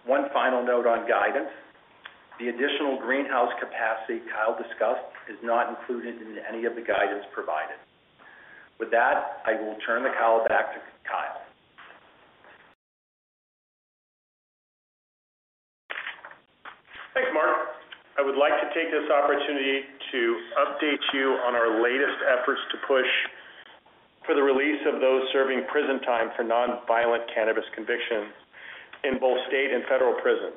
Speaker 4: One final note on guidance. The additional greenhouse capacity Kyle discussed is not included in any of the guidance provided. With that, I will turn the call back to Kyle.
Speaker 3: Thanks, Mark. I would like to take this opportunity to update you on our latest efforts to push for the release of those serving prison time for non-violent cannabis convictions in both state and federal prison.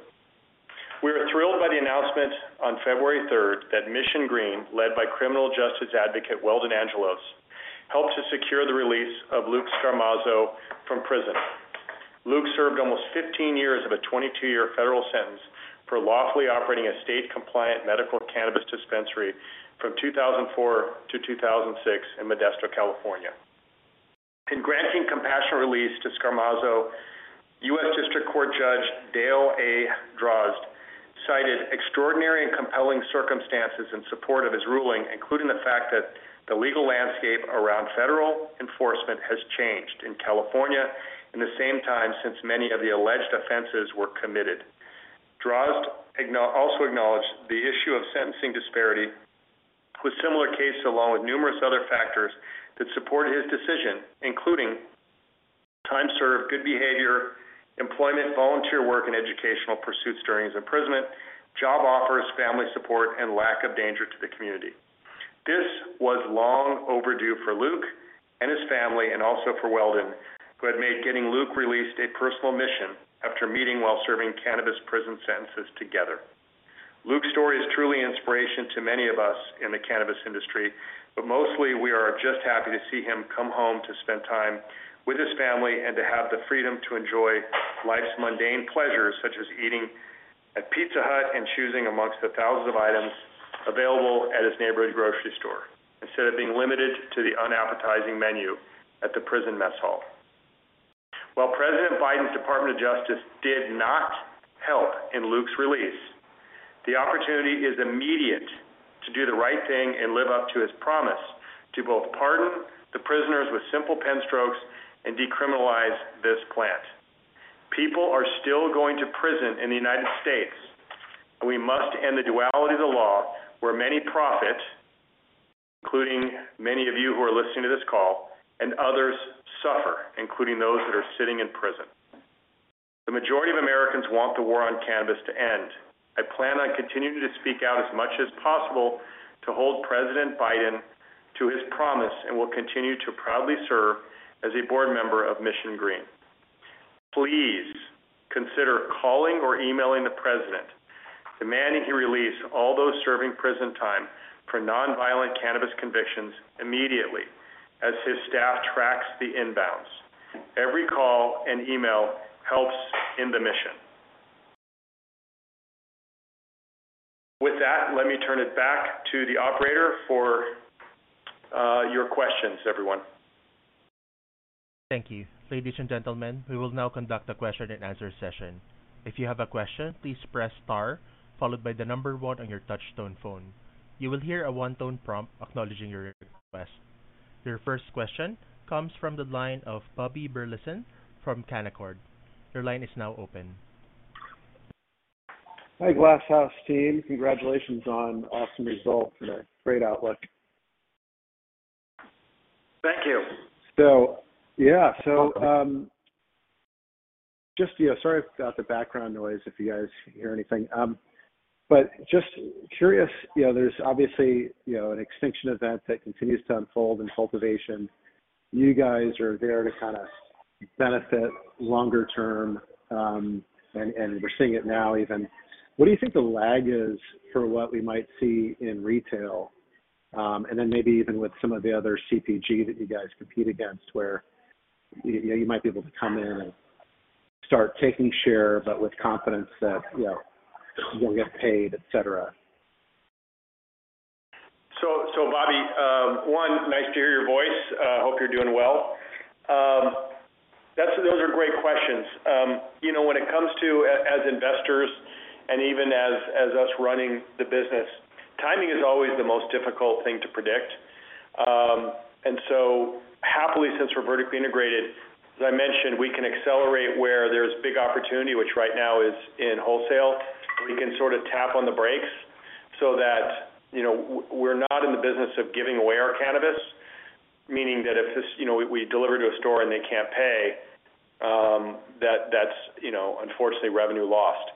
Speaker 3: We were thrilled by the announcement on February 3rd that Mission Green, led by criminal justice advocate Weldon Angelos, helped to secure the release of Luke Scarmazzo from prison. Luke served almost 15 years of a 22-year federal sentence for lawfully operating a state-compliant medical cannabis dispensary from 2004 to 2006 in Modesto, California. In granting compassionate release to Scarmazzo, U.S. District Court Judge Dale A. Drozd cited extraordinary and compelling circumstances in support of his ruling, including the fact that the legal landscape around federal enforcement has changed in California in the same time since many of the alleged offenses were committed. Drozd also acknowledged the issue of sentencing disparity with similar cases, along with numerous other factors that support his decision, including time served, good behavior, employment, volunteer work, and educational pursuits during his imprisonment, job offers, family support, and lack of danger to the community. This was long overdue for Luke and his family, and also for Weldon, who had made getting Luke released a personal mission after meeting while serving cannabis prison sentences together. Luke's story is truly an inspiration to many of us in the cannabis industry, but mostly we are just happy to see him come home to spend time with his family and to have the freedom to enjoy life's mundane pleasures, such as eating at Pizza Hut and choosing amongst the thousands of items available at his neighborhood grocery store, instead of being limited to the unappetizing menu at the prison mess hall. While President Biden's Department of Justice did not help in Luke's release, the opportunity is immediate to do the right thing and live up to his promise to both pardon the prisoners with simple pen strokes and decriminalize this plant. People are still going to prison in the United States, and we must end the duality of the law where many profit, including many of you who are listening to this call, and others suffer, including those that are sitting in prison. The majority of Americans want the war on cannabis to end. I plan on continuing to speak out as much as possible to hold President Biden to his promise and will continue to proudly serve as a board member of Mission Green. Please consider calling or emailing the President, demanding he release all those serving prison time for non-violent cannabis convictions immediately as his staff tracks the inbounds. Every call and email helps in the mission. With that, let me turn it back to the operator for your questions, everyone.
Speaker 1: Thank you. Ladies and gentlemen, we will now conduct a question and answer session. If you have a question, please press star followed by the number one on your touch tone phone. You will hear a one-tone prompt acknowledging your request. Your first question comes from the line of Bobby Burleson from Canaccord. Your line is now open.
Speaker 5: Hi, Glass House team. Congratulations on awesome results and a great outlook.
Speaker 3: Thank you.
Speaker 5: Yeah. Just, you know, sorry about the background noise, if you guys hear anything. just curious, you know, there's obviously, you know, an extinction event that continues to unfold in cultivation. You guys are there to kind of benefit longer term, and we're seeing it now even. What do you think the lag is for what we might see in retail, and then maybe even with some of the other CPG that you guys compete against where you know, you might be able to come in and start taking share, but with confidence that, you know, you won't get paid, et cetera?
Speaker 3: Bobby, one, nice to hear your voice. Hope you're doing well. Those are great questions. You know, when it comes to as investors and even as us running the business, timing is always the most difficult thing to predict. Happily, since we're vertically integrated, as I mentioned, we can accelerate where there's big opportunity, which right now is in wholesale. We can sort of tap on the brakes so that, you know, we're not in the business of giving away our cannabis. Meaning that if this, you know, we deliver to a store and they can't pay, that's, you know, unfortunately revenue lost.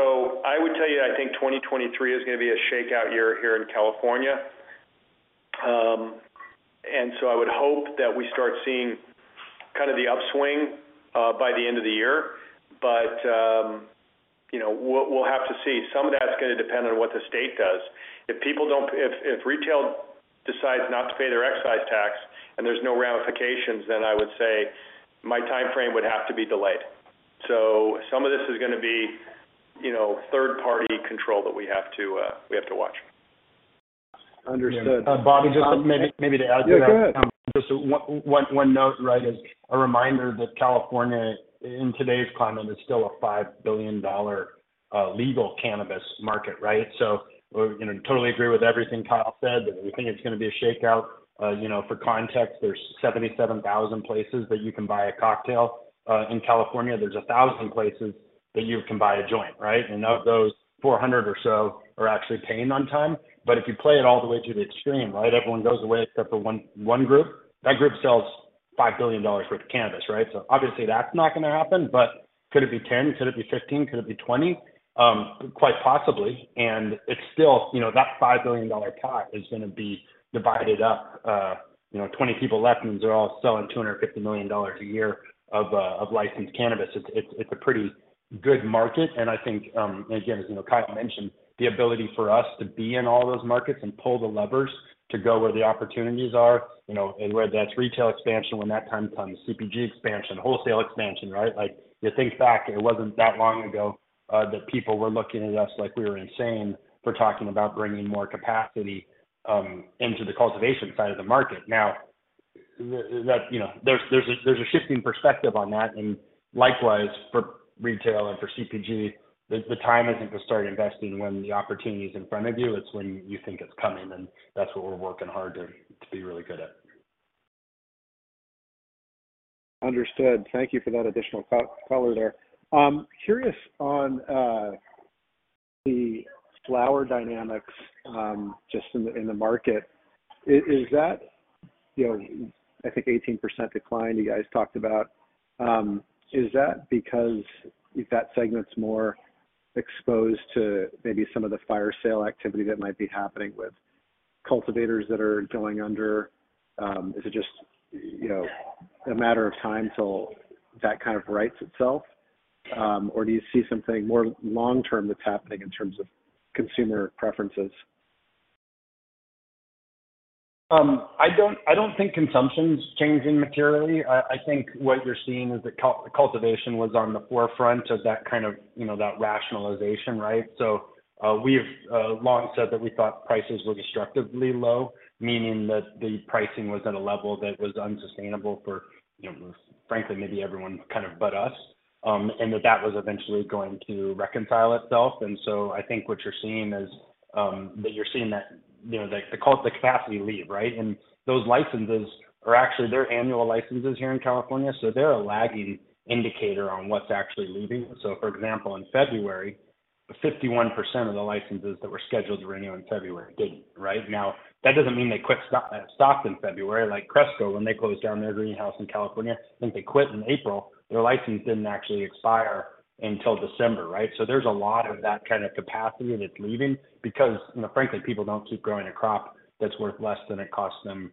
Speaker 3: I would tell you, I think 2023 is gonna be a shakeout year here in California. I would hope that we start seeing kind of the upswing by the end of the year. You know, we'll have to see. Some of that's gonna depend on what the state does. If retail decides not to pay their excise tax and there's no ramifications, then I would say my timeframe would have to be delayed. Some of this is gonna be, you know, third-party control that we have to watch.
Speaker 5: Understood.
Speaker 6: Yeah. Bobby, just maybe to add to that.
Speaker 5: Yeah, go ahead.
Speaker 6: Just one note, right, as a reminder that California in today's climate is still a $5 billion legal cannabis market, right? We, you know, totally agree with everything Kyle said, that we think it's gonna be a shakeout. You know, for context, there's 77,000 places that you can buy a cocktail. In California, there's 1,000 places that you can buy a joint, right? Of those, 400 or so are actually paying on time. If you play it all the way to the extreme, right, everyone goes away except for one group, that group sells $5 billion worth of cannabis, right? Obviously that's not gonna happen. Could it be 10? Could it be 15? Could it be 20? Quite possibly. It's still, you know, that $5 billion pie is gonna be divided up, you know, 20 people left, and they're all selling $250 million a year of licensed cannabis. It's a pretty good market. I think, again, as you know, Kyle mentioned, the ability for us to be in all those markets and pull the levers to go where the opportunities are, you know, and whether that's retail expansion when that time comes, CPG expansion, wholesale expansion, right? Like you think back, it wasn't that long ago, that people were looking at us like we were insane for talking about bringing more capacity into the cultivation side of the market. Now that, you know, there's a shifting perspective on that. Likewise for retail and for CPG, the time isn't to start investing when the opportunity is in front of you, it's when you think it's coming, and that's what we're working hard to be really good at.
Speaker 5: Understood. Thank you for that additional color there. Curious on the flower dynamics just in the market. Is that, you know, I think 18% decline you guys talked about, is that because if that segment's more exposed to maybe some of the fire sale activity that might be happening with cultivators that are going under? Is it just, you know, a matter of time till that kind of rights itself? Or do you see something more long-term that's happening in terms of consumer preferences?
Speaker 6: I don't, I don't think consumption's changing materially. I think what you're seeing is that cultivation was on the forefront of that kind of, you know, that rationalization, right? We've long said that we thought prices were destructively low, meaning that the pricing was at a level that was unsustainable for, you know, frankly, maybe everyone kind of but us, and that that was eventually going to reconcile itself. I think what you're seeing is that you're seeing that, you know, the capacity leave, right? Those licenses are actually their annual licenses here in California, so they're a lagging indicator on what's actually leaving. For example, in February, 51% of the licenses that were scheduled to renew in February didn't, right? That doesn't mean they quit stocks in February, like Cresco when they closed down their greenhouse in California, I think they quit in April. Their license didn't actually expire until December, right? There's a lot of that kind of capacity that's leaving because, you know, frankly, people don't keep growing a crop that's worth less than it costs them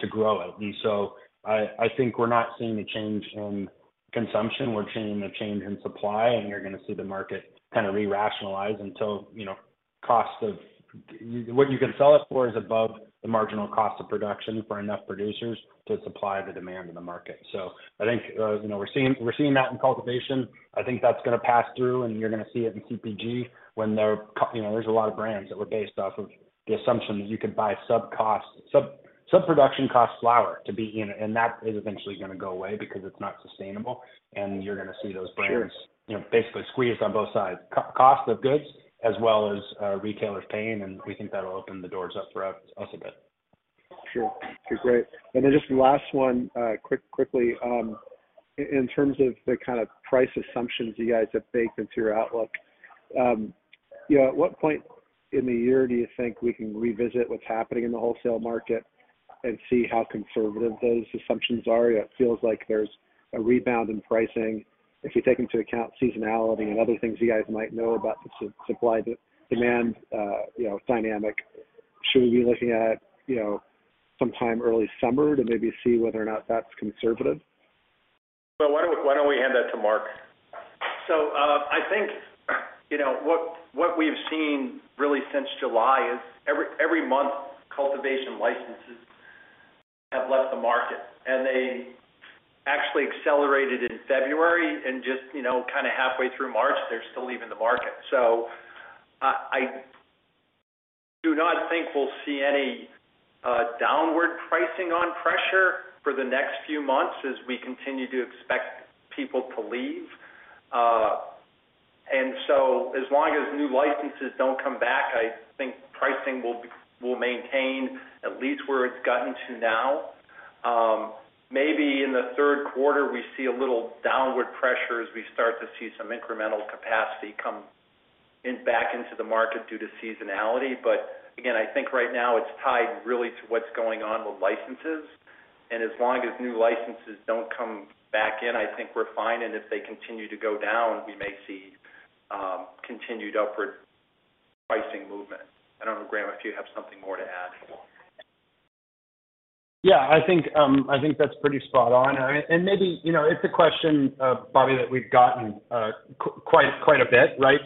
Speaker 6: to grow it. I think we're not seeing a change in consumption. We're seeing a change in supply, and you're gonna see the market kind of re-rationalize until, you know, cost of, what you can sell it for is above the marginal cost of production for enough producers to supply the demand in the market. I think, you know, we're seeing that in cultivation. I think that's gonna pass through, and you're gonna see it in CPG when there, you know, there's a lot of brands that were based off of the assumption that you could buy sub cost, sub production cost flower to be in. That is eventually gonna go away because it's not sustainable, and you're gonna see those brands-
Speaker 5: Sure
Speaker 6: You know, basically squeezed on both sides. Cost of Goods as well as, retailers paying, and we think that'll open the doors up for us a bit.
Speaker 5: Sure. Okay, great. Then just last one, quickly. In terms of the kind of price assumptions you guys have baked into your outlook, you know, at what point in the year do you think we can revisit what's happening in the wholesale market and see how conservative those assumptions are? It feels like there's a rebound in pricing. If you take into account seasonality and other things you guys might know about the supply demand, you know, dynamic, should we be looking at, you know, sometime early summer to maybe see whether or not that's conservative?
Speaker 3: Well, why don't we hand that to Mark?
Speaker 4: I think, you know, what we've seen really since July is every month, cultivation licenses Have left the market, and they actually accelerated in February. Just, you know, kind of halfway through March, they're still leaving the market. I do not think we'll see any downward pricing on pressure for the next few months as we continue to expect people to leave. As long as new licenses don't come back, I think pricing will maintain at least where it's gotten to now. Maybe in the third quarter, we see a little downward pressure as we start to see some incremental capacity come back into the market due to seasonality. Again, I think right now it's tied really to what's going on with licenses. As long as new licenses don't come back in, I think we're fine. If they continue to go down, we may see continued upward pricing movement. I don't know, Graham, if you have something more to add.
Speaker 6: Yeah. I think, I think that's pretty spot on. Maybe, you know, it's a question, Bobby, that we've gotten, quite a bit, right?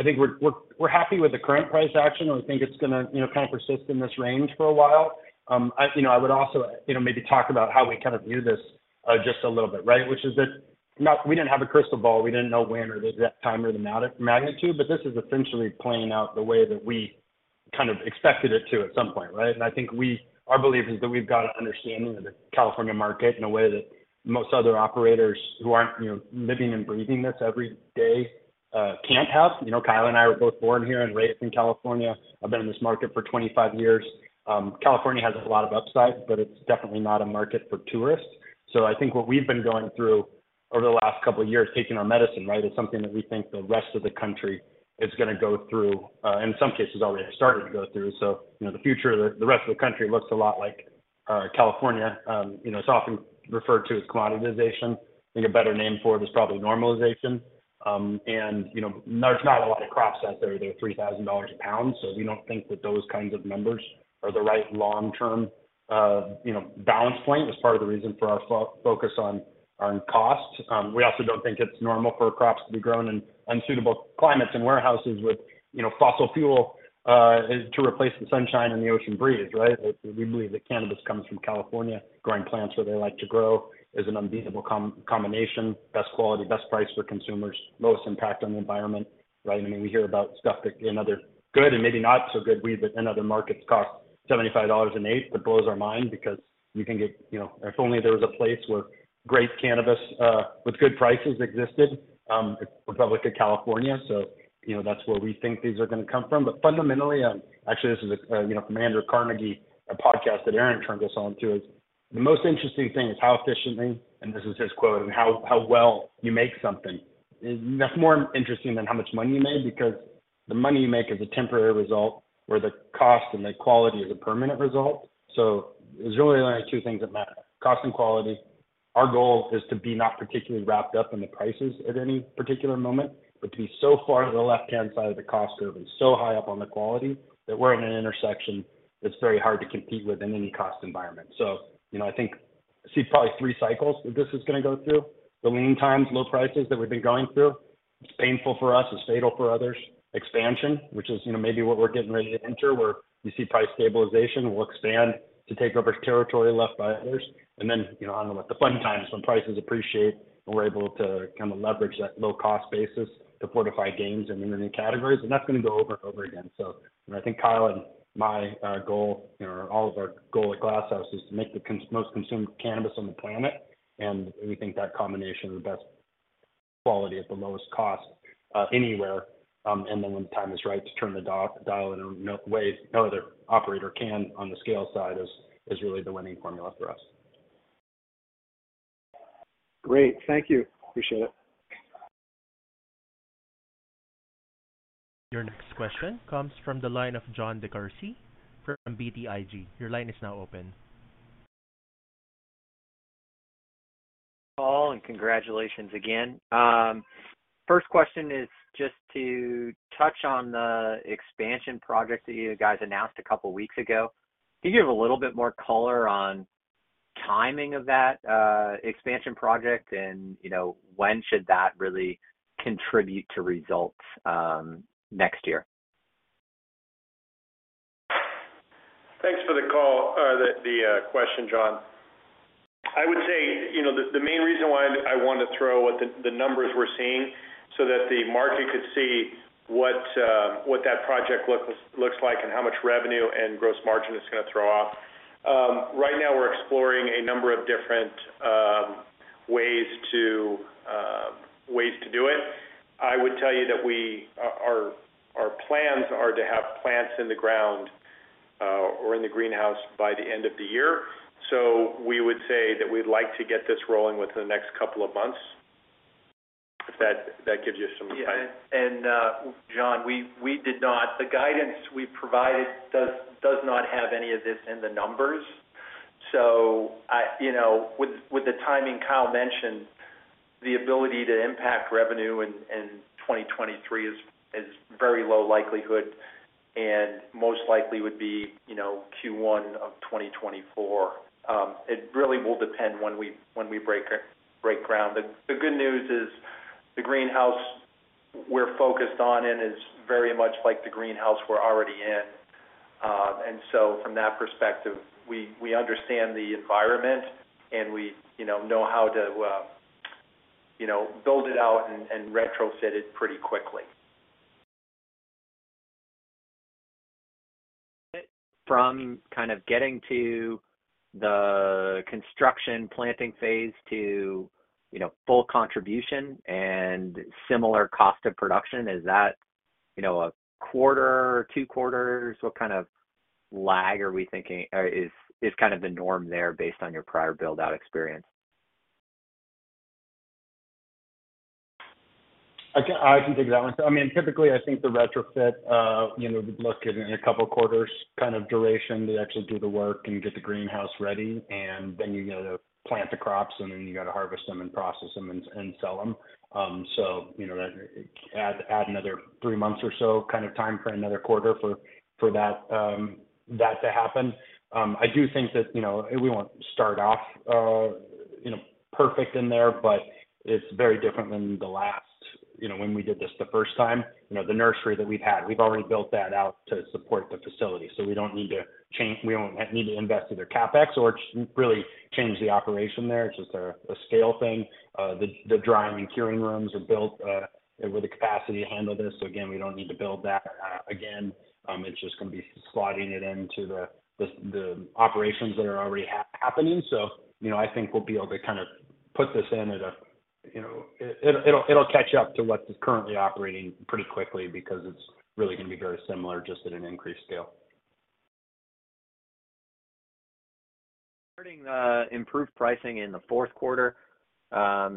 Speaker 6: I think we're happy with the current price action, and we think it's gonna, you know, kind of persist in this range for a while. I, you know, I would also, you know, maybe talk about how we kind of view this, just a little bit, right? Which is that we didn't have a crystal ball. We didn't know when or the time or the magnitude, but this is essentially playing out the way that we kind of expected it to at some point, right? I think our belief is that we've got an understanding of the California market in a way that most other operators who aren't, you know, living and breathing this every day, can't have. You know, Kyle and I were both born here and raised in California. I've been in this market for 25 years. California has a lot of upside, but it's definitely not a market for tourists. I think what we've been going through over the last couple of years, taking our medicine, right, is something that we think the rest of the country is gonna go through, in some cases already have started to go through. You know, the future of the rest of the country looks a lot like California. You know, it's often referred to as commoditization. I think a better name for it is probably normalization. You know, there's not a lot of crops out there that are $3,000 a pound, we don't think that those kinds of numbers are the right long-term, you know, balance point. It's part of the reason for our focus on cost. We also don't think it's normal for crops to be grown in unsuitable climates and warehouses with, you know, fossil fuel, is to replace the sunshine and the ocean breeze, right? We believe that cannabis comes from California. Growing plants where they like to grow is an unbeatable combination. Best quality, best price for consumers, lowest impact on the environment, right? I mean, we hear about stuff that in other good and maybe not so good weed that in other markets cost $75 an eighth. It blows our mind because we can get, you know. If only there was a place where great cannabis with good prices existed, Republic of California. You know, that's where we think these are gonna come from. Fundamentally, actually, this is, you know, from Andrew Carnegie, a podcast that Aaron turned us on to, is the most interesting thing is how efficiently, and this is his quote, "And how well you make something." That's more interesting than how much money you made because the money you make is a temporary result, where the cost and the quality is a permanent result. There's really only two things that matter, cost and quality. Our goal is to be not particularly wrapped up in the prices at any particular moment, but to be so far to the left-hand side of the cost curve and so high up on the quality that we're in an intersection that's very hard to compete with in any cost environment. You know, I think I see probably three cycles that this is gonna go through. The lean times, low prices that we've been going through, it's painful for us, it's fatal for others. Expansion, which is, you know, maybe what we're getting ready to enter, where you see price stabilization, we'll expand to take over territory left by others. Then, you know, I don't know, the fun times when prices appreciate and we're able to kind of leverage that low-cost basis to fortify gains and into new categories. That's gonna go over and over again. You know, I think Kyle and my goal, you know, or all of our goal at Glass House is to make the most consumed cannabis on the planet, and we think that combination of the best quality at the lowest cost, anywhere, and then when the time is right to turn the dial in a way no other operator can on the scale side is really the winning formula for us.
Speaker 5: Great. Thank you.
Speaker 6: Appreciate it.
Speaker 1: Your next question comes from the line of Jon DeCourcey from BTIG. Your line is now open.
Speaker 7: All, congratulations again. First question is just to touch on the expansion project that you guys announced a couple weeks ago. Can you give a little bit more color on timing of that expansion project and, you know, when should that really contribute to results next year?
Speaker 3: Thanks for the call or the question, Jon. I would say, you know, the main reason why I want to throw out the numbers we're seeing so that the market could see what that project looks like and how much revenue and gross margin it's gonna throw off. Right now we're exploring a number of different ways to do it. I would tell you that our plans are to have plants in the ground or in the greenhouse by the end of the year. We would say that we'd like to get this rolling within the next couple of months, if that gives you some insight.
Speaker 6: And Jon, the guidance we provided does not have any of this in the numbers. With the timing Kyle mentioned, the ability to impact revenue in 2023 is very low likelihood and most likely would be, you know, Q1 of 2024. It really will depend when we break ground. The good news is the greenhouse we're focused on and is very much like the greenhouse we're already in. From that perspective, we understand the environment and we, you know how to, you know, build it out and retrofit it pretty quickly.
Speaker 7: From kind of getting to the construction planting phase to, you know, full contribution and similar cost of production, is that, you know, a quarter, two quarters? What kind of lag are we thinking is kind of the norm there based on your prior build-out experience?
Speaker 6: I can take that one. I mean, typically I think the retrofit, you know, look in a couple quarters kind of duration to actually do the work and get the greenhouse ready, and then you gotta plant the crops, and then you gotta harvest them and process them and sell them. You know that add another three months or so kind of time for another quarter for that to happen. I do think that, you know, we won't start off, you know, perfect in there, but it's very different than the last, you know, when we did this the first time. You know, the nursery that we've had, we've already built that out to support the facility. We don't need to invest in their CapEx or really change the operation there. It's just a scale thing. The drying and curing rooms are built with the capacity to handle this. Again, we don't need to build that again. It's just gonna be slotting it into the operations that are already happening. You know, I think we'll be able to kind of put this in at a. It'll catch up to what is currently operating pretty quickly because it's really gonna be very similar, just at an increased scale.
Speaker 7: Hearing the improved pricing in the fourth quarter, have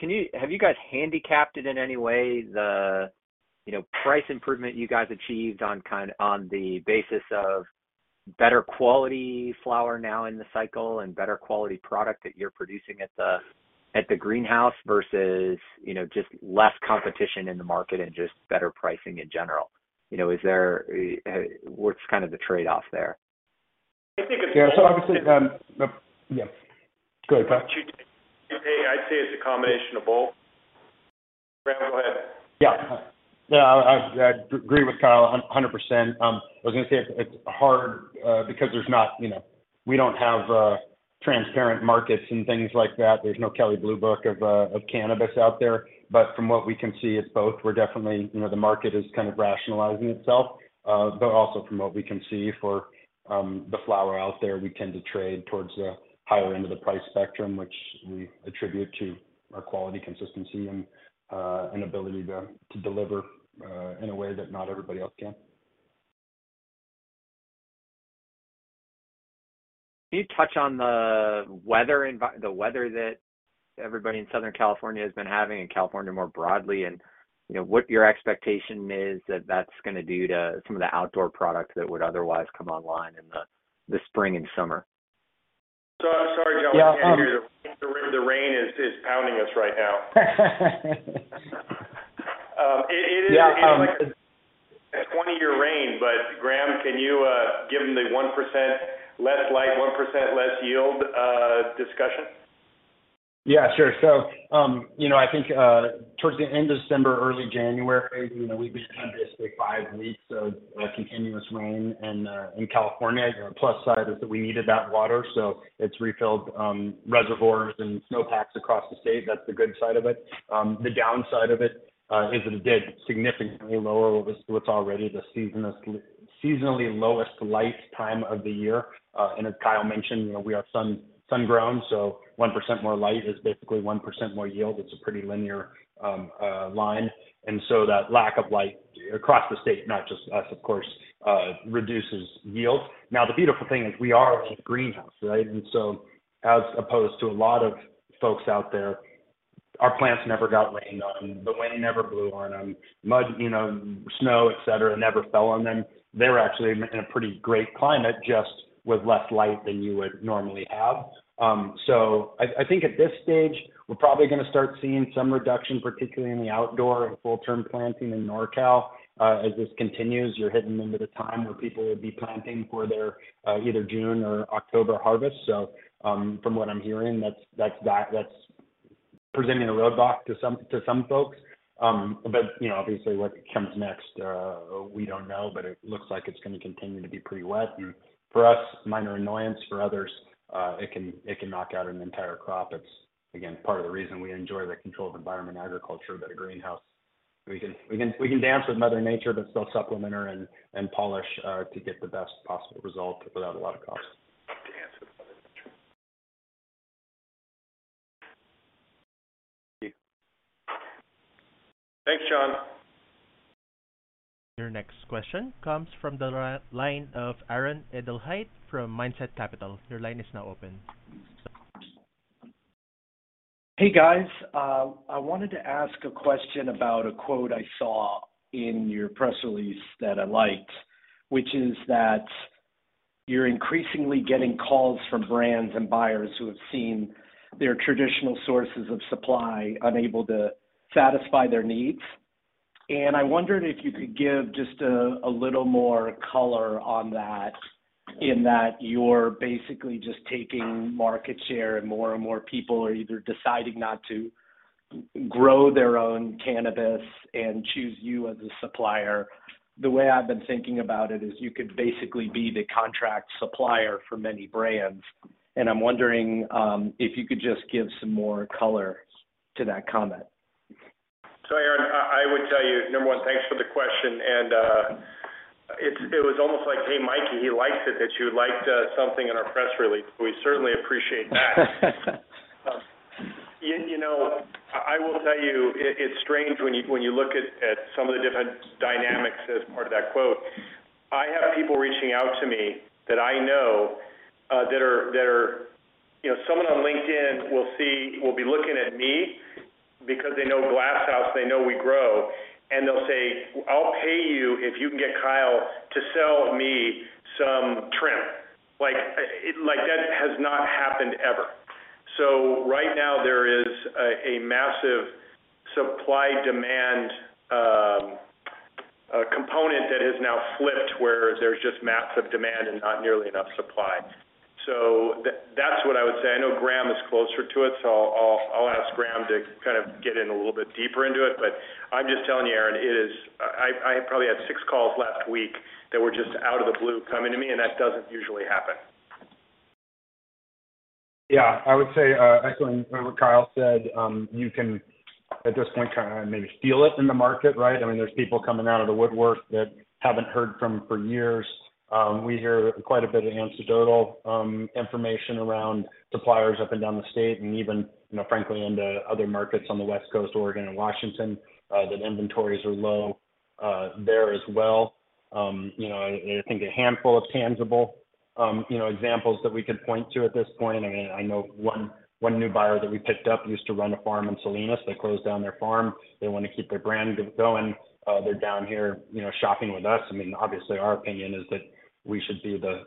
Speaker 7: you guys handicapped it in any way the, you know, price improvement you guys achieved on the basis of better quality flower now in the cycle and better quality product that you're producing at the greenhouse versus, you know, just less competition in the market and just better pricing in general? You know, what's kind of the trade-off there?
Speaker 3: I think it's.
Speaker 6: Yeah, so obviously. Yeah. Go ahead, Kyle.
Speaker 3: Hey, I'd say it's a combination of both. Graham, go ahead.
Speaker 6: Yeah. No, I agree with Kyle a hundred percent. I was gonna say it's hard because there's not, you know, we don't have transparent markets and things like that. There's no Kelley Blue Book of cannabis out there. From what we can see, it's both. We're definitely, you know, the market is kind of rationalizing itself. Also from what we can see for the flower out there, we tend to trade towards the higher end of the price spectrum, which we attribute to our quality, consistency and an ability to deliver in a way that not everybody else can.
Speaker 7: Can you touch on the weather that everybody in Southern California has been having and California more broadly, and you know, what your expectation is that that's gonna do to some of the outdoor products that would otherwise come online in the spring and summer?
Speaker 6: I'm sorry, John. I can't hear. The rain is pounding us right now.
Speaker 7: Yeah. A 20-year rain. Graham, can you give them the 1% less light, 1% less yield discussion?
Speaker 6: Yeah, sure. You know, I think, towards the end of December, early January, you know, we've just had basically five weeks of continuous rain in California. You know, plus side is that we needed that water, so it's refilled reservoirs and snow packs across the state. That's the good side of it. The downside of it is it did significantly lower what's already the seasonally lowest light time of the year. As Kyle mentioned, you know, we are sun grown, so 1% more light is basically 1% more yield. It's a pretty linear line. That lack of light across the state, not just us of course, reduces yield. Now, the beautiful thing is we are a greenhouse, right? As opposed to a lot of folks out there, our plants never got rain on them. The wind never blew on them. Mud, you know, snow, et cetera, never fell on them. They were actually in a pretty great climate, just with less light than you would normally have. I think at this stage, we're probably gonna start seeing some reduction, particularly in the outdoor and full-term planting in NorCal. As this continues, you're hitting into the time where people would be planting for their, either June or October harvest. From what I'm hearing, that's presenting a roadblock to some, to some folks. You know, obviously what comes next, we don't know, but it looks like it's gonna continue to be pretty wet. For us, minor annoyance. For others, it can knock out an entire crop. It's again, part of the reason we enjoy the controlled environment agriculture that a greenhouse. We can dance with mother nature, but still supplement her and polish to get the best possible result without a lot of cost. To dance with mother nature.
Speaker 7: Thank you.
Speaker 6: Thanks, Jon.
Speaker 1: Your next question comes from the line of Aaron Edelheit from Mindset Capital. Your line is now open.
Speaker 8: Hey, guys. I wanted to ask a question about a quote I saw in your press release that I liked, which is that you're increasingly getting calls from brands and buyers who have seen their traditional sources of supply unable to satisfy their needs. I wondered if you could give just a little more color on that. In that you're basically just taking market share and more and more people are either deciding not to grow their own cannabis and choose you as a supplier. The way I've been thinking about it is you could basically be the contract supplier for many brands. I'm wondering if you could just give some more color to that comment.
Speaker 3: Aaron, I would tell you, number one, thanks for the question. It was almost like, hey, Mikey, he likes it that you liked something in our press release. We certainly appreciate that. You know, I will tell you, it's strange when you look at some of the different dynamics as part of that quote. I have people reaching out to me that I know that are. You know, someone on LinkedIn will be looking at me because they know Glass House, they know we grow, and they'll say, "I'll pay you if you can get Kyle to sell me some trim." Like, that has not happened ever. Right now, there is a massive supply-demand component that has now flipped, where there's just massive demand and not nearly enough supply. That's what I would say. I know Graham is closer to it, so I'll ask Graham to kind of get in a little bit deeper into it. I'm just telling you, Aaron, it is. I probably had six calls last week that were just out of the blue coming to me, and that doesn't usually happen.
Speaker 6: Yeah, I would say, echoing what Kyle said, you can at this point kind of maybe feel it in the market, right? I mean, there's people coming out of the woodwork that haven't heard from for years. We hear quite a bit of anecdotal information around suppliers up and down the state and even, you know, frankly, into other markets on the West Coast, Oregon and Washington, that inventories are low, there as well. You know, I think a handful of tangible, you know, examples that we could point to at this point. I mean, I know one new buyer that we picked up used to run a farm in Salinas. They closed down their farm. They wanna keep their brand going. They're down here, you know, shopping with us. I mean, obviously, our opinion is that we should be the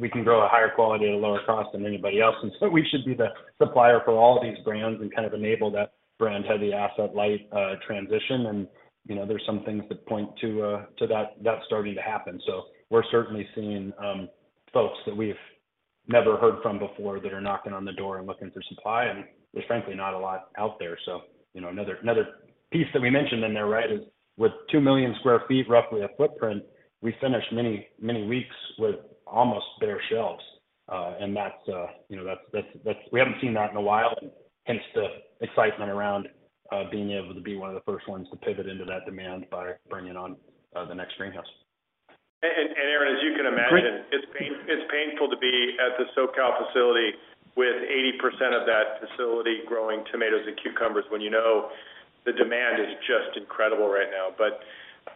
Speaker 6: we can grow at a higher quality at a lower cost than anybody else, we should be the supplier for all these brands and kind of enable that brand-heavy asset light transition. You know, there's some things that point to that starting to happen. We're certainly seeing folks that we've never heard from before that are knocking on the door and looking for supply, and there's frankly not a lot out there. You know, another piece that we mentioned in there, right, is with 2 million sq ft, roughly a footprint, we finish many, many weeks with almost bare shelves. That's, you know, that's we haven't seen that in a while, and hence the excitement around being able to be one of the first ones to pivot into that demand by bringing on the next greenhouse.
Speaker 3: Aaron, as you can imagine, it's painful to be at the SoCal facility with 80% of that facility growing tomatoes and cucumbers when you know the demand is just incredible right now.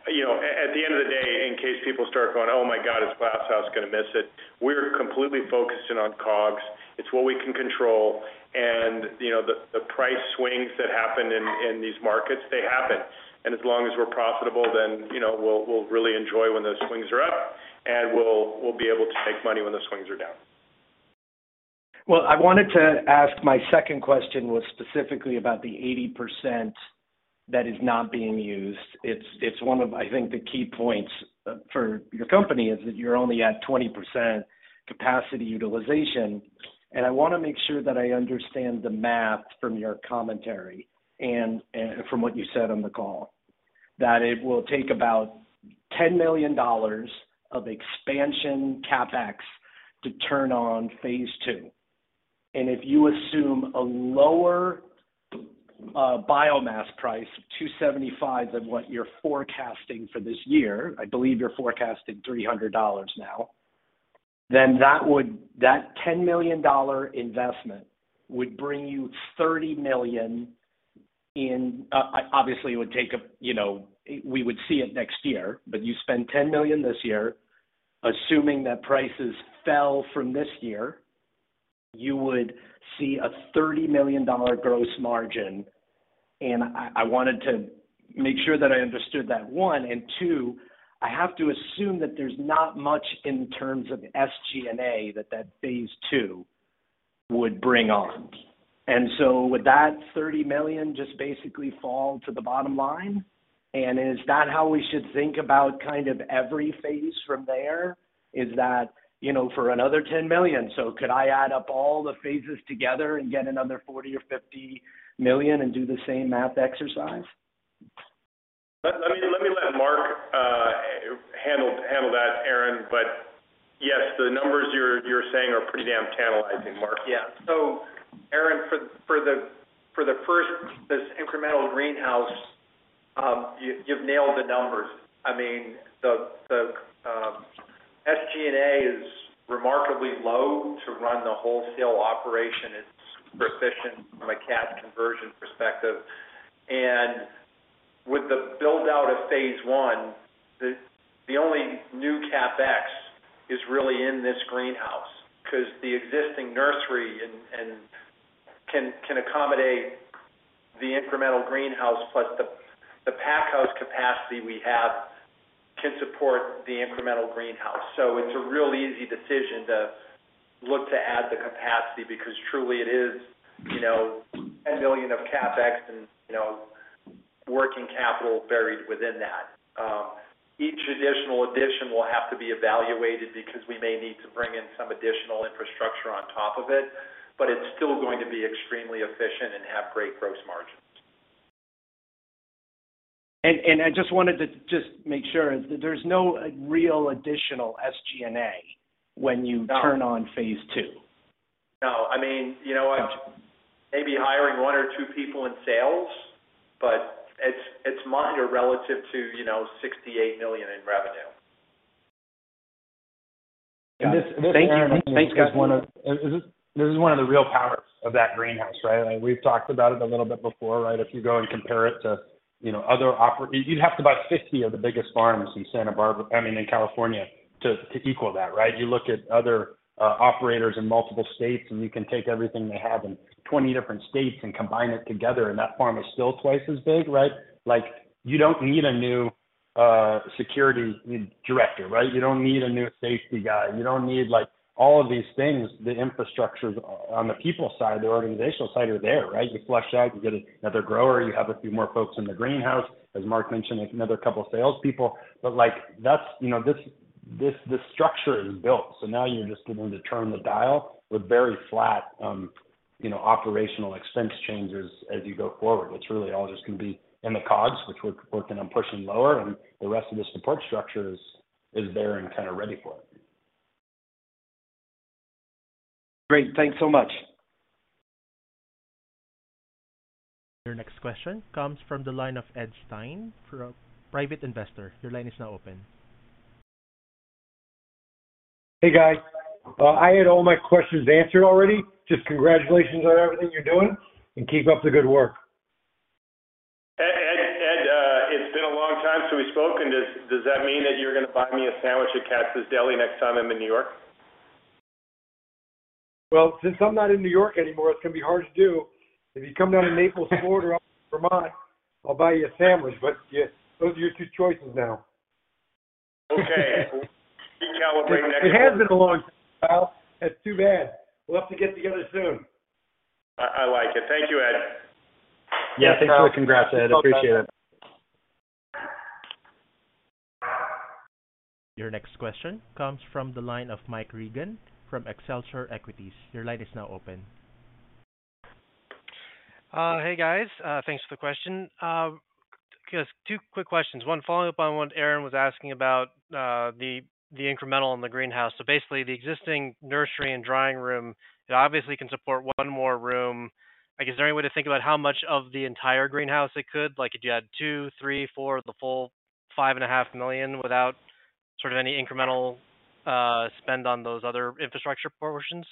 Speaker 3: You know, at the end of the day, in case people start going, "Oh my God, is Glass House gonna miss it?" We're completely focusing on COGS. It's what we can control. You know, the price swings that happen in these markets, they happen. As long as we're profitable, then, you know, we'll really enjoy when those swings are up, and we'll be able to make money when those swings are down.
Speaker 8: I wanted to ask, my second question was specifically about the 80% that is not being used. It's one of, I think, the key points for your company, is that you're only at 20% capacity utilization. I wanna make sure that I understand the math from your commentary and from what you said on the call, that it will take about $10 million of expansion CapEx to turn on phase two. If you assume a lower biomass price of $275 than what you're forecasting for this year, I believe you're forecasting $300 now, then that $10 million investment would bring you $30 million in, obviously, it would take a, you know, we would see it next year. You spend $10 million this year, assuming that prices fell from this year, you would see a $30 million gross margin. I wanted to make sure that I understood that, one. Two, I have to assume that there's not much in terms of SG&A that phase II would bring on. Would that $30 million just basically fall to the bottom line? Is that how we should think about kind of every phase from there? Is that, you know, for another $10 million. Could I add up all the phases together and get another $40 million or $50 million and do the same math exercise?
Speaker 3: Let me let Mark handle that, Aaron. Yes, the numbers you're saying are pretty damn tantalizing, Mark.
Speaker 4: Aaron, for the first this incremental greenhouse, you've nailed the numbers. I mean, the SG&A is remarkably low to run the wholesale operation. It's super efficient from a cash conversion perspective. With the build-out of phase one, the only new CapEx is really in this greenhouse because the existing nursery and can accommodate the incremental greenhouse, plus the pack house capacity we have can support the incremental greenhouse. It's a real easy decision to look to add the capacity because truly it is, you know, $10 million of CapEx and Working capital buried within that. Each additional addition will have to be evaluated because we may need to bring in some additional infrastructure on top of it, but it's still going to be extremely efficient and have great gross margins.
Speaker 8: I just wanted to just make sure that there's no real additional SG&A when you turn on phase two.
Speaker 4: No. I mean, you know what? Maybe hiring one or two people in sales, but it's minor relative to, you know, $68 million in revenue.
Speaker 8: Thank you. Thank you.
Speaker 5: This is one of the real powers of that greenhouse, right? We've talked about it a little bit before, right? If you go and compare it to, you know, other you'd have to buy 50 of the biggest farms in Santa Barbara, I mean, in California, to equal that, right? You look at other operators in multiple states, you can take everything they have in 20 different states and combine it together, and that farm is still twice as big, right? Like, you don't need a new security director, right? You don't need a new safety guy. You don't need, like, all of these things. The infrastructures on the people side, the organizational side are there, right? You flush out, you get another grower, you have a few more folks in the greenhouse.
Speaker 6: As Mark mentioned, like, another couple sales people. Like, that's. You know, this structure is built. Now you're just going to turn the dial with very flat, you know, operational expense changes as you go forward, which really all just gonna be in the COGS, which we're gonna push them lower. The rest of the support structure is there and kind of ready for it. Great. Thanks so much.
Speaker 1: Your next question comes from the line of Ed Stein from Private Investor. Your line is now open.
Speaker 9: Hey, guys. I had all my questions answered already. Just congratulations on everything you're doing, and keep up the good work.
Speaker 6: Hey, Ed, it's been a long time since we've spoken. Does that mean that you're gonna buy me a sandwich at Katz's Delicatessen next time I'm in New York?
Speaker 9: Since I'm not in New York anymore, it's gonna be hard to do. If you come down to Naples, Florida, or Vermont, I'll buy you a sandwich. Yeah, those are your two choices now.
Speaker 6: Okay. We'll bring it.
Speaker 9: It has been a long while. That's too bad. We'll have to get together soon.
Speaker 6: I like it. Thank you, Ed.
Speaker 1: Yes.
Speaker 6: Yeah. Thanks for the congrats, Ed. Appreciate it.
Speaker 1: Your next question comes from the line of Mike Regan from Excelsior Equities. Your line is now open.
Speaker 10: Hey, guys. Thanks for the question. Just two quick questions. One following up on what Aaron was asking about the incremental in the greenhouse. Basically, the existing nursery and drying room, it obviously can support one more room. Like, is there any way to think about how much of the entire greenhouse it could? Like, if you had two, three, four, the full $5.5 million without sort of any incremental spend on those other infrastructure portions?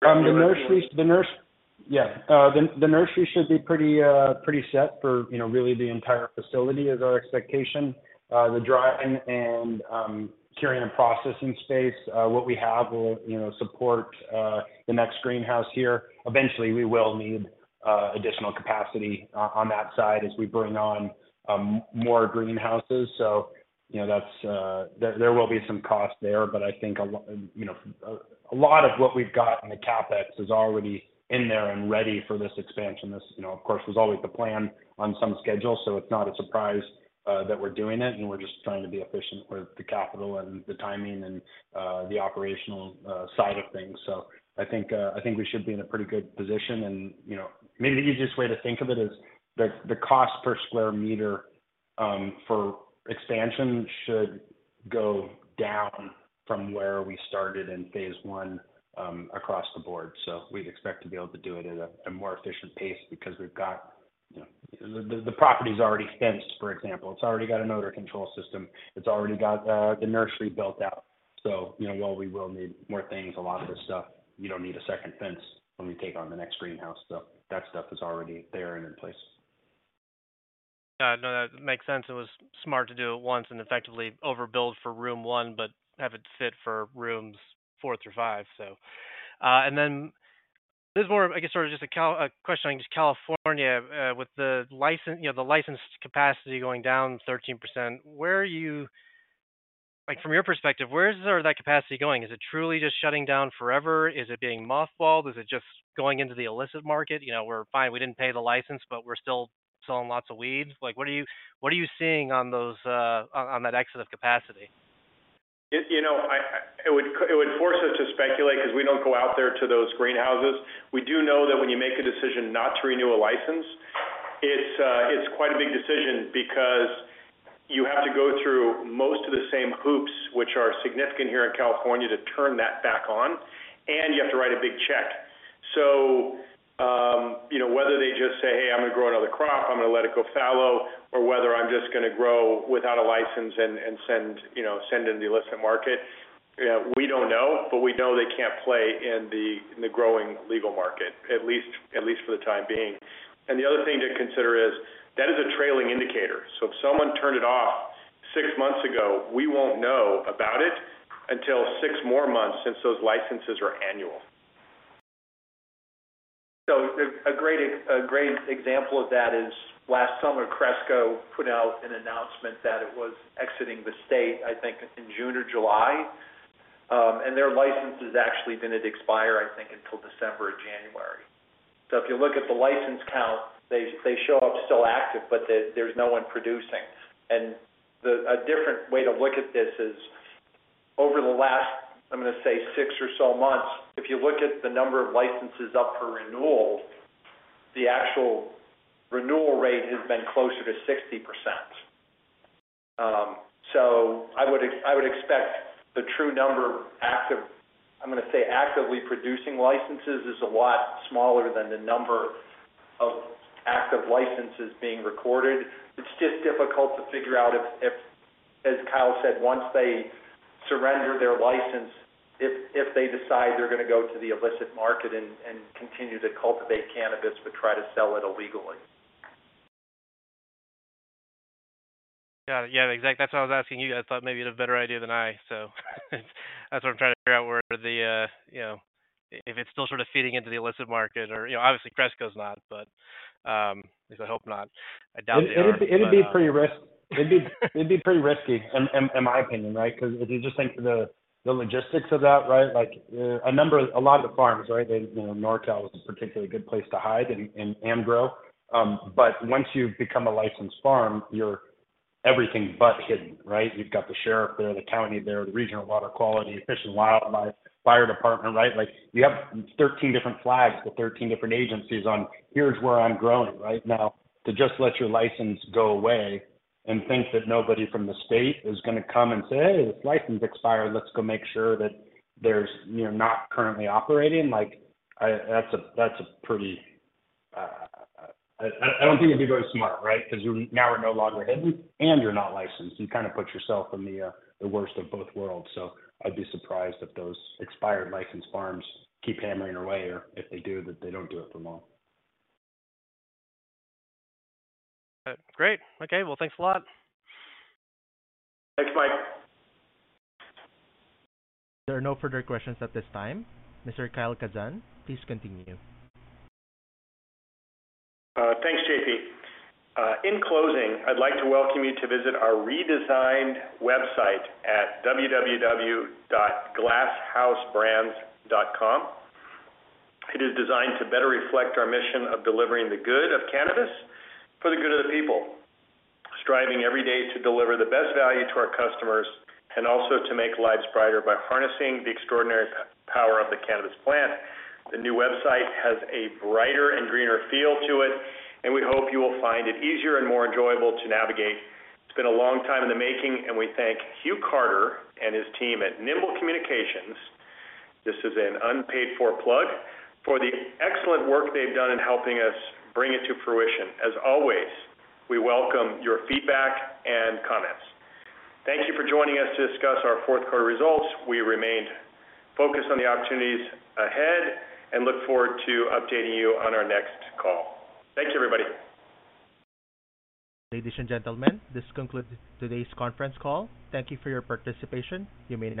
Speaker 6: The nursery should be pretty set for, you know, really the entire facility is our expectation. The drying and curing and processing space, what we have will, you know, support the next greenhouse here. Eventually, we will need additional capacity on that side as we bring on more greenhouses. You know, that's there will be some cost there. I think you know, a lot of what we've got in the CapEx is already in there and ready for this expansion. This, you know, of course, was always the plan on some schedule, so it's not a surprise that we're doing it, and we're just trying to be efficient with the capital and the timing and the operational side of things. I think we should be in a pretty good position. You know, maybe the easiest way to think of it is the cost per square meter for expansion should go down from where we started in phase one across the board. We'd expect to be able to do it at a more efficient pace because we've got. You know, the property's already fenced, for example. It's already got an odor control system. It's already got the nursery built out. You know, while we will need more things, a lot of this stuff, you don't need a second fence when we take on the next greenhouse. That stuff is already there and in place.
Speaker 10: No, that makes sense. It was smart to do it once and effectively overbuild for room one, but have it sit for rooms four through five, so. This is more, I guess, sort of just a question on just California. With the license, you know, the license capacity going down 13%, where are you Like, from your perspective, where is that capacity going? Is it truly just shutting down forever? Is it being mothballed? Is it just going into the illicit market? You know, we're fine, we didn't pay the license, but we're still selling lots of weeds. Like, what are you seeing on those, on that exit of capacity?
Speaker 6: It, you know, it would force us to speculate because we don't go out there to those greenhouses. We do know that when you make a decision not to renew a license, it's quite a big decision because you have to go through most of the same hoops, which are significant here in California, to turn that back on. You have to write a big check. You know, whether they just say, "Hey, I'm gonna grow another crop. I'm gonna let it go fallow," or whether, "I'm just gonna grow without a license and send, you know, send in the illicit market," we don't know. We know they can't play in the growing legal market, at least for the time being. The other thing to consider is, that is a trailing indicator. If someone turned it off six months ago, we won't know about it until six more months since those licenses are annual. A great example of that is last summer, Cresco put out an announcement that it was exiting the state, I think, in June or July.
Speaker 3: Their license is actually going to expire, I think, until December or January. If you look at the license count, they show up still active, but there's no one producing. A different way to look at this is over the last, I'm going to say, six or so months, if you look at the number of licenses up for renewal, the actual renewal rate has been closer to 60%. I would expect the true number of active, I'm gonna say, actively producing licenses is a lot smaller than the number of active licenses being recorded. It's just difficult to figure out if, as Kyle said, once they surrender their license, if they decide they're gonna go to the illicit market and continue to cultivate cannabis, but try to sell it illegally.
Speaker 10: Got it. Yeah, exactly. That's why I was asking you. I thought maybe you had a better idea than I. That's what I'm trying to figure out where the, you know, if it's still sort of feeding into the illicit market or, you know, obviously Cresco's not, but, at least I hope not. I doubt it.
Speaker 6: It'd be pretty risky in my opinion, right? If you just think of the logistics of that, right? Like a lot of the farms, right, they, you know, NorCal is a particularly good place to hide and grow. Once you become a licensed farm, you're everything but hidden, right? You've got the sheriff there, the county there, the regional water quality, Fish and Wildlife, fire department, right? Like, you have 13 different flags with 13 different agencies on here's where I'm growing, right? Now, to just let your license go away and think that nobody from the state is gonna come and say, "Hey, this license expired. Let's go make sure that there's, you know, not currently operating." That's a pretty. I don't think it'd be very smart, right? Because you now are no longer hidden and you're not licensed. You kind of put yourself in the worst of both worlds. I'd be surprised if those expired licensed farms keep hammering away, or if they do, that they don't do it for long.
Speaker 10: Great. Okay. Well, thanks a lot.
Speaker 3: Thanks, Mike.
Speaker 1: There are no further questions at this time. Mr. Kyle Kazan, please continue.
Speaker 3: Thanks, JP. In closing, I'd like to welcome you to visit our redesigned website at www.glasshousebrands.com. It is designed to better reflect our mission of delivering the good of cannabis for the good of the people, striving every day to deliver the best value to our customers and also to make lives brighter by harnessing the extraordinary power of the cannabis plant. The new website has a brighter and greener feel to it, and we hope you will find it easier and more enjoyable to navigate. It's been a long time in the making, and we thank Hugh Carter and his team at Nimble Communications, this is an unpaid for plug, for the excellent work they've done in helping us bring it to fruition. As always, we welcome your feedback and comments. Thank you for joining us to discuss our fourth quarter results. We remain focused on the opportunities ahead and look forward to updating you on our next call. Thank you, everybody.
Speaker 1: Ladies and gentlemen, this concludes today's conference call. Thank you for your participation. You may now disconnect.